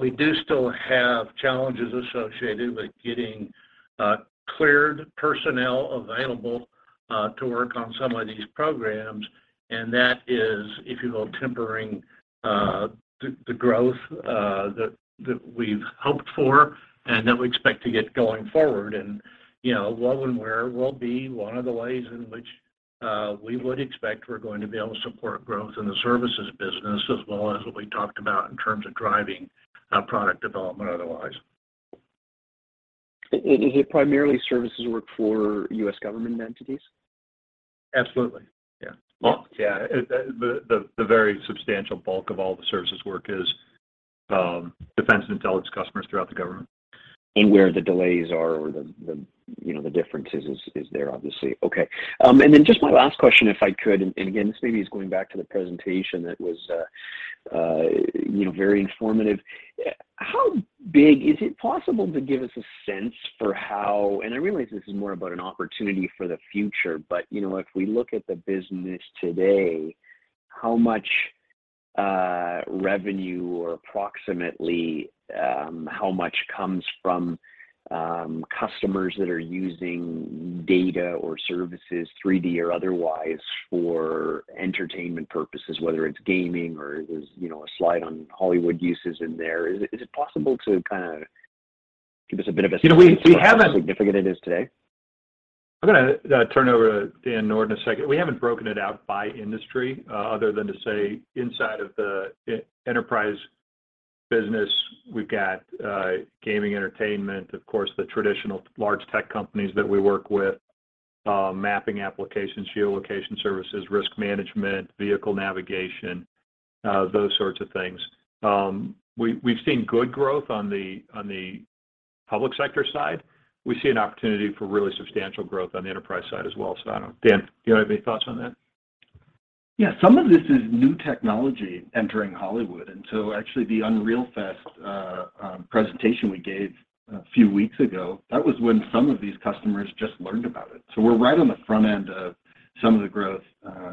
We do still have challenges associated with getting cleared personnel available to work on some of these programs. That is, if you will, tempering the growth that we've hoped for and that we expect to get going forward. You know, what and where will be one of the ways in which we would expect we're going to be able to support growth in the services business as well as what we talked about in terms of driving product development otherwise. Is it primarily services work for U.S. government entities? Absolutely. Yeah. Well- Yeah. The very substantial bulk of all the services work is defense and intelligence customers throughout the government. Where the delays are or the, you know, the differences is there, obviously. Okay. Then just my last question, if I could, and again, this maybe is going back to the presentation that was, you know, very informative. Is it possible to give us a sense for how. I realize this is more about an opportunity for the future, but, you know, if we look at the business today, how much revenue or approximately, how much comes from customers that are using data or services, 3D or otherwise, for entertainment purposes, whether it's gaming or there's, you know, a slide on Hollywood uses in there. Is it possible to kind of give us a bit of a sense. You know, we, we haven't- How significant it is today. I'm gonna turn it over to Daniel Nord in a second. We haven't broken it out by industry, other than to say inside of the enterprise business, we've got gaming entertainment, of course, the traditional large tech companies that we work with, mapping applications, geolocation services, risk management, vehicle navigation, those sorts of things. We've seen good growth on the public sector side. We see an opportunity for really substantial growth on the enterprise side as well. Dan, do you have any thoughts on that? Yeah. Some of this is new technology entering Hollywood. Actually the Unreal Fest Presentation we gave a few weeks ago, that was when some of these customers just learned about it. We're right on the front end of some of the growth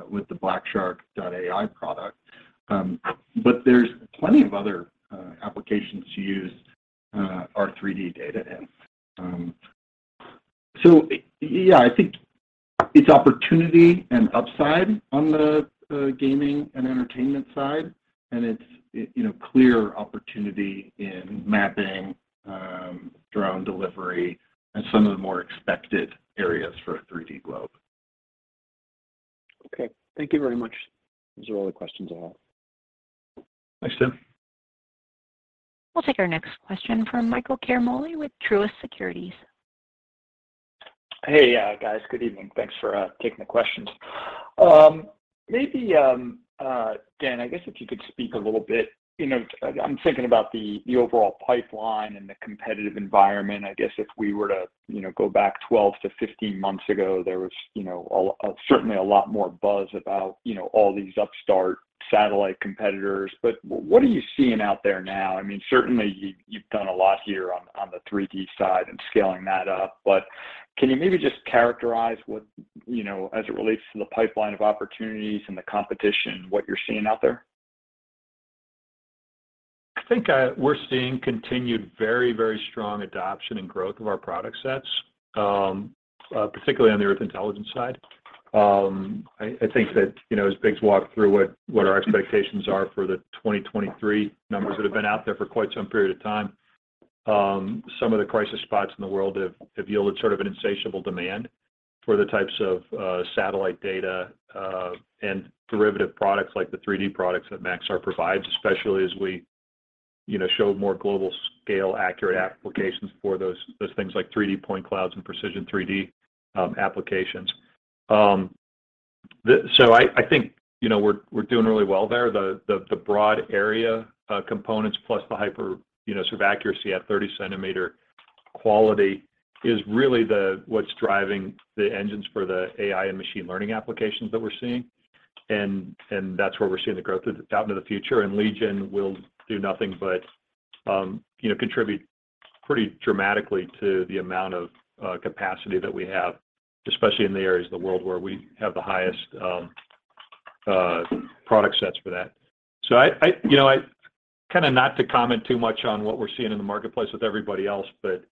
with the blackshark.ai product. There's plenty of other applications to use our 3D data in. I think it's opportunity and upside on the gaming and entertainment side, and you know, clear opportunity in mapping, drone delivery, and some of the more expected areas for a 3D globe. Okay. Thank you very much. Those are all the questions I have. Thanks, Tim. We'll take our next question from Michael Ciarmoli with Truist Securities. Hey, guys. Good evening. Thanks for taking the questions. Maybe Dan, I guess if you could speak a little bit, you know, I'm thinking about the overall pipeline and the competitive environment. I guess if we were to, you know, go back 12-15 months ago, there was, you know, certainly a lot more buzz about, you know, all these upstart satellite competitors. But what are you seeing out there now? I mean, certainly you've done a lot here on the 3D side and scaling that up, but can you maybe just characterize what, you know, as it relates to the pipeline of opportunities and the competition, what you're seeing out there? I think we're seeing continued very, very strong adoption and growth of our product sets, particularly on Earth Intelligence side. I think that, you know, as Biggs walked through what our expectations are for the 2023 numbers that have been out there for quite some period of time, some of the crisis spots in the world have yielded sort of an insatiable demand for the types of satellite data and derivative products like the 3D products that Maxar provides, especially as we, you know, show more global scale accurate applications for those things like 3D point clouds and Precision3D applications. I think, you know, we're doing really well there. The broad area components plus the hyper, you know, sort of accuracy at 30-centimeter quality is really what's driving the engines for the AI and machine learning applications that we're seeing, and that's where we're seeing the growth out into the future. Legion will do nothing but, you know, contribute pretty dramatically to the amount of capacity that we have, especially in the areas of the world where we have the highest product sets for that. I, you know, kind of not to comment too much on what we're seeing in the marketplace with everybody else, but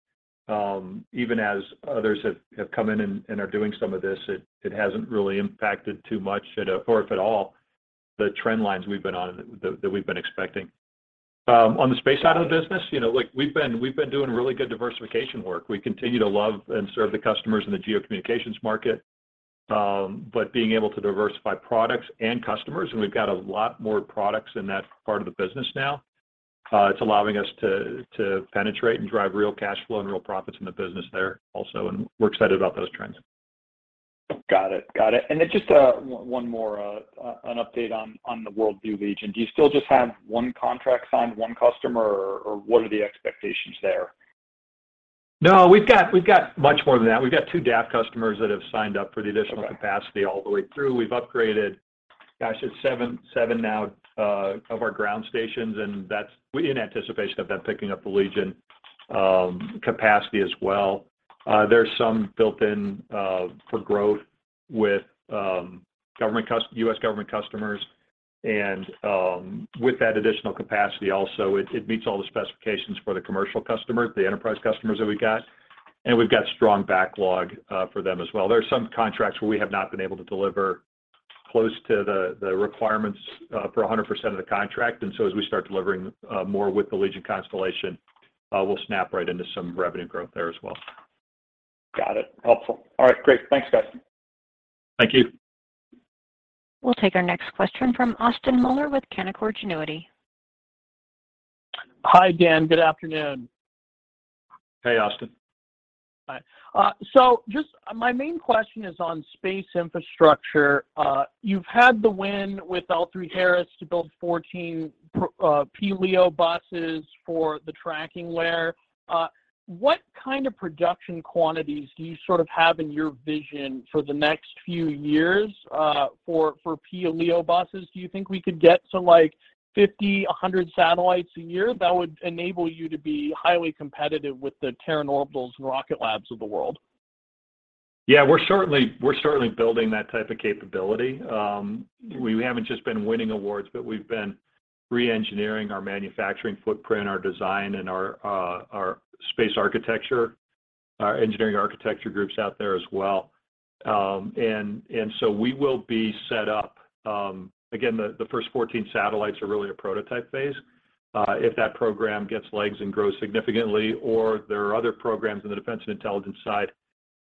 even as others have come in and are doing some of this, it hasn't really impacted too much or if at all, the trend lines we've been on that we've been expecting. On the space side of the business, you know, like we've been doing really good diversification work. We continue to love and serve the customers in the geocommunications market, but being able to diversify products and customers, and we've got a lot more products in that part of the business now. It's allowing us to penetrate and drive real cash flow and real profits in the business there also, and we're excited about those trends. Got it. Just one more, an update on the WorldView Legion. Do you still just have one contract signed, one customer, or what are the expectations there? No. We've got much more than that. We've got 2 DAF customers that have signed up for the additional capacity all the way through. We've upgraded, gosh, it's 7 now, of our ground stations, and that's in anticipation of them picking up the Legion capacity as well. There's some built in for growth with U.S. government customers and with that additional capacity also, it meets all the specifications for the commercial customers, the enterprise customers that we got, and we've got strong backlog for them as well. There are some contracts where we have not been able to deliver close to the requirements for 100% of the contract. As we start delivering more with the Legion constellation, we'll snap right into some revenue growth there as well. Got it. Helpful. All right. Great. Thanks, guys. Thank you. We'll take our next question from Austin Moeller with Canaccord Genuity. Hi, Dan. Good afternoon. Hey, Austin. Hi. Just my main question is on Space Infrastructure. You've had the win with L3Harris to build 14 P-LEO buses for the tracking layer. What kind of production quantities do you sort of have in your vision for the next few years for P-LEO buses? Do you think we could get to, like, 50, 100 satellites a year? That would enable you to be highly competitive with the Terran Orbital and Rocket Lab of the world. Yeah, we're certainly building that type of capability. We haven't just been winning awards, but we've been reengineering our manufacturing footprint, our design, and our space architecture, our engineering architecture groups out there as well. We will be set up. Again, the first 14 satellites are really a prototype phase. If that program gets legs and grows significantly or there are other programs in the defense and intelligence side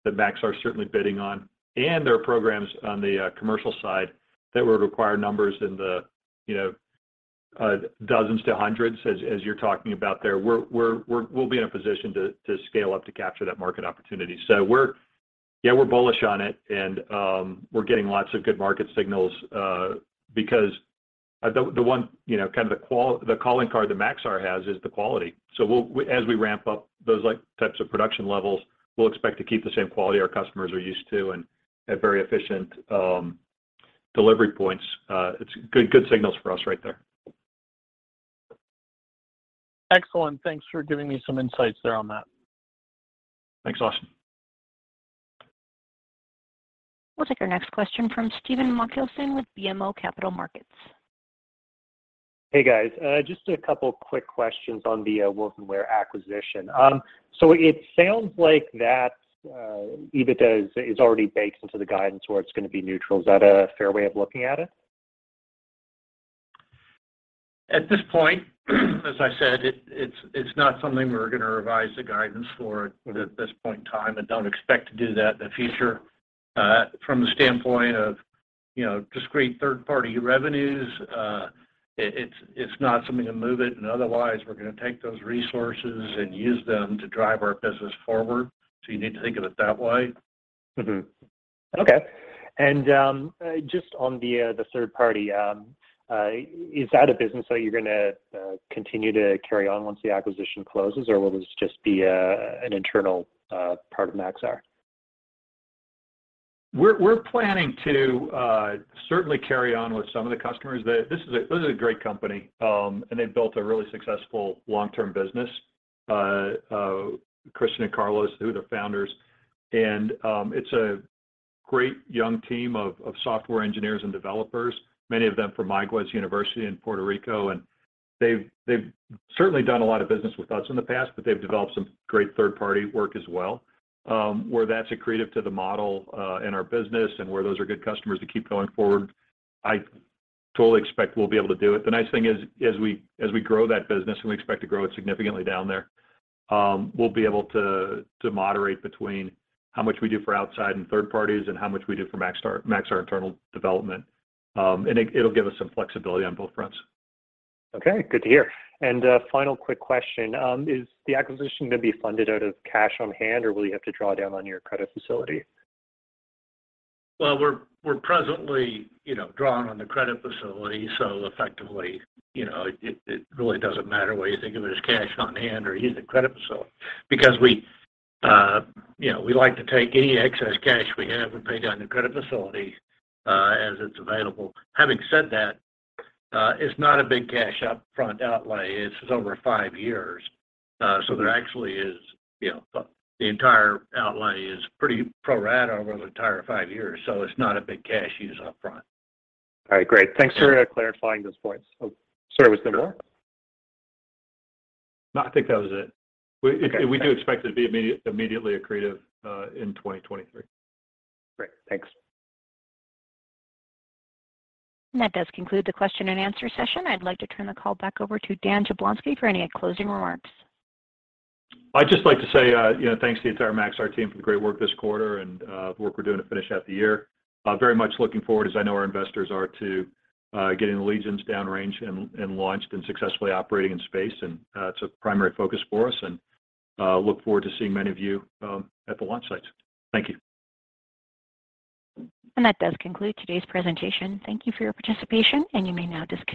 that Maxar's certainly bidding on, and there are programs on the commercial side that would require numbers in the dozens to hundreds as you're talking about there. We'll be in a position to scale up to capture that market opportunity. We're bullish on it and we're getting lots of good market signals because the one, you know, kind of the calling card that Maxar has is the quality. As we ramp up those, like, types of production levels, we'll expect to keep the same quality our customers are used to and at very efficient delivery points, it's good signals for us right there. Excellent. Thanks for giving me some insights there on that. Thanks, Austin. We'll take our next question from Steven Muncleson with BMO Capital Markets. Hey, guys. Just a couple of quick questions on the Wovenware acquisition. It sounds like that EBITDA is already baked into the guidance where it's gonna be neutral. Is that a fair way of looking at it? At this point, as I said, it's not something we're gonna revise the guidance for at this point in time, and don't expect to do that in the future. From the standpoint of, you know, discrete third-party revenues, it's not something to move it. Otherwise, we're gonna take those resources and use them to drive our business forward. You need to think of it that way. Okay. Just on the third party, is that a business that you're gonna continue to carry on once the acquisition closes, or will this just be an internal part of Maxar? We're planning to certainly carry on with some of the customers. This is a great company. They've built a really successful long-term business. Christian and Carlos, who are the founders, and it's a great young team of software engineers and developers, many of them from University of Puerto Rico at Mayagüez in Puerto Rico. They've certainly done a lot of business with us in the past, but they've developed some great third-party work as well. Where that's accretive to the model in our business and where those are good customers to keep going forward, I totally expect we'll be able to do it. The nice thing is, as we grow that business, and we expect to grow it significantly down there, we'll be able to moderate between how much we do for outside and third parties and how much we do for Maxar internal development. It'll give us some flexibility on both fronts. Okay, good to hear. A final quick question. Is the acquisition gonna be funded out of cash on hand, or will you have to draw down on your credit facility? Well, we're presently, you know, drawing on the credit facility, so effectively, you know, it really doesn't matter whether you think of it as cash on hand or using credit facility. Because we, you know, we like to take any excess cash we have and pay down the credit facility, as it's available. Having said that, it's not a big cash up front outlay. It's over five years. There actually is, you know, the entire outlay is pretty pro rata over the entire five years, so it's not a big cash use up front. All right, great. Thanks for clarifying those points. Oh, sorry, was there more? No, I think that was it. Okay. We do expect it to be immediately accretive in 2023. Great. Thanks. That does conclude the question and answer session. I'd like to turn the call back over to Dan Jablonsky for any closing remarks. I'd just like to say, you know, thanks to the entire Maxar team for the great work this quarter and the work we're doing to finish out the year. Very much looking forward, as I know our investors are, to getting the Legions downrange and launched and successfully operating in space. It's a primary focus for us, and look forward to seeing many of you at the launch site. Thank you. That does conclude today's presentation. Thank you for your participation, and you may now disconnect.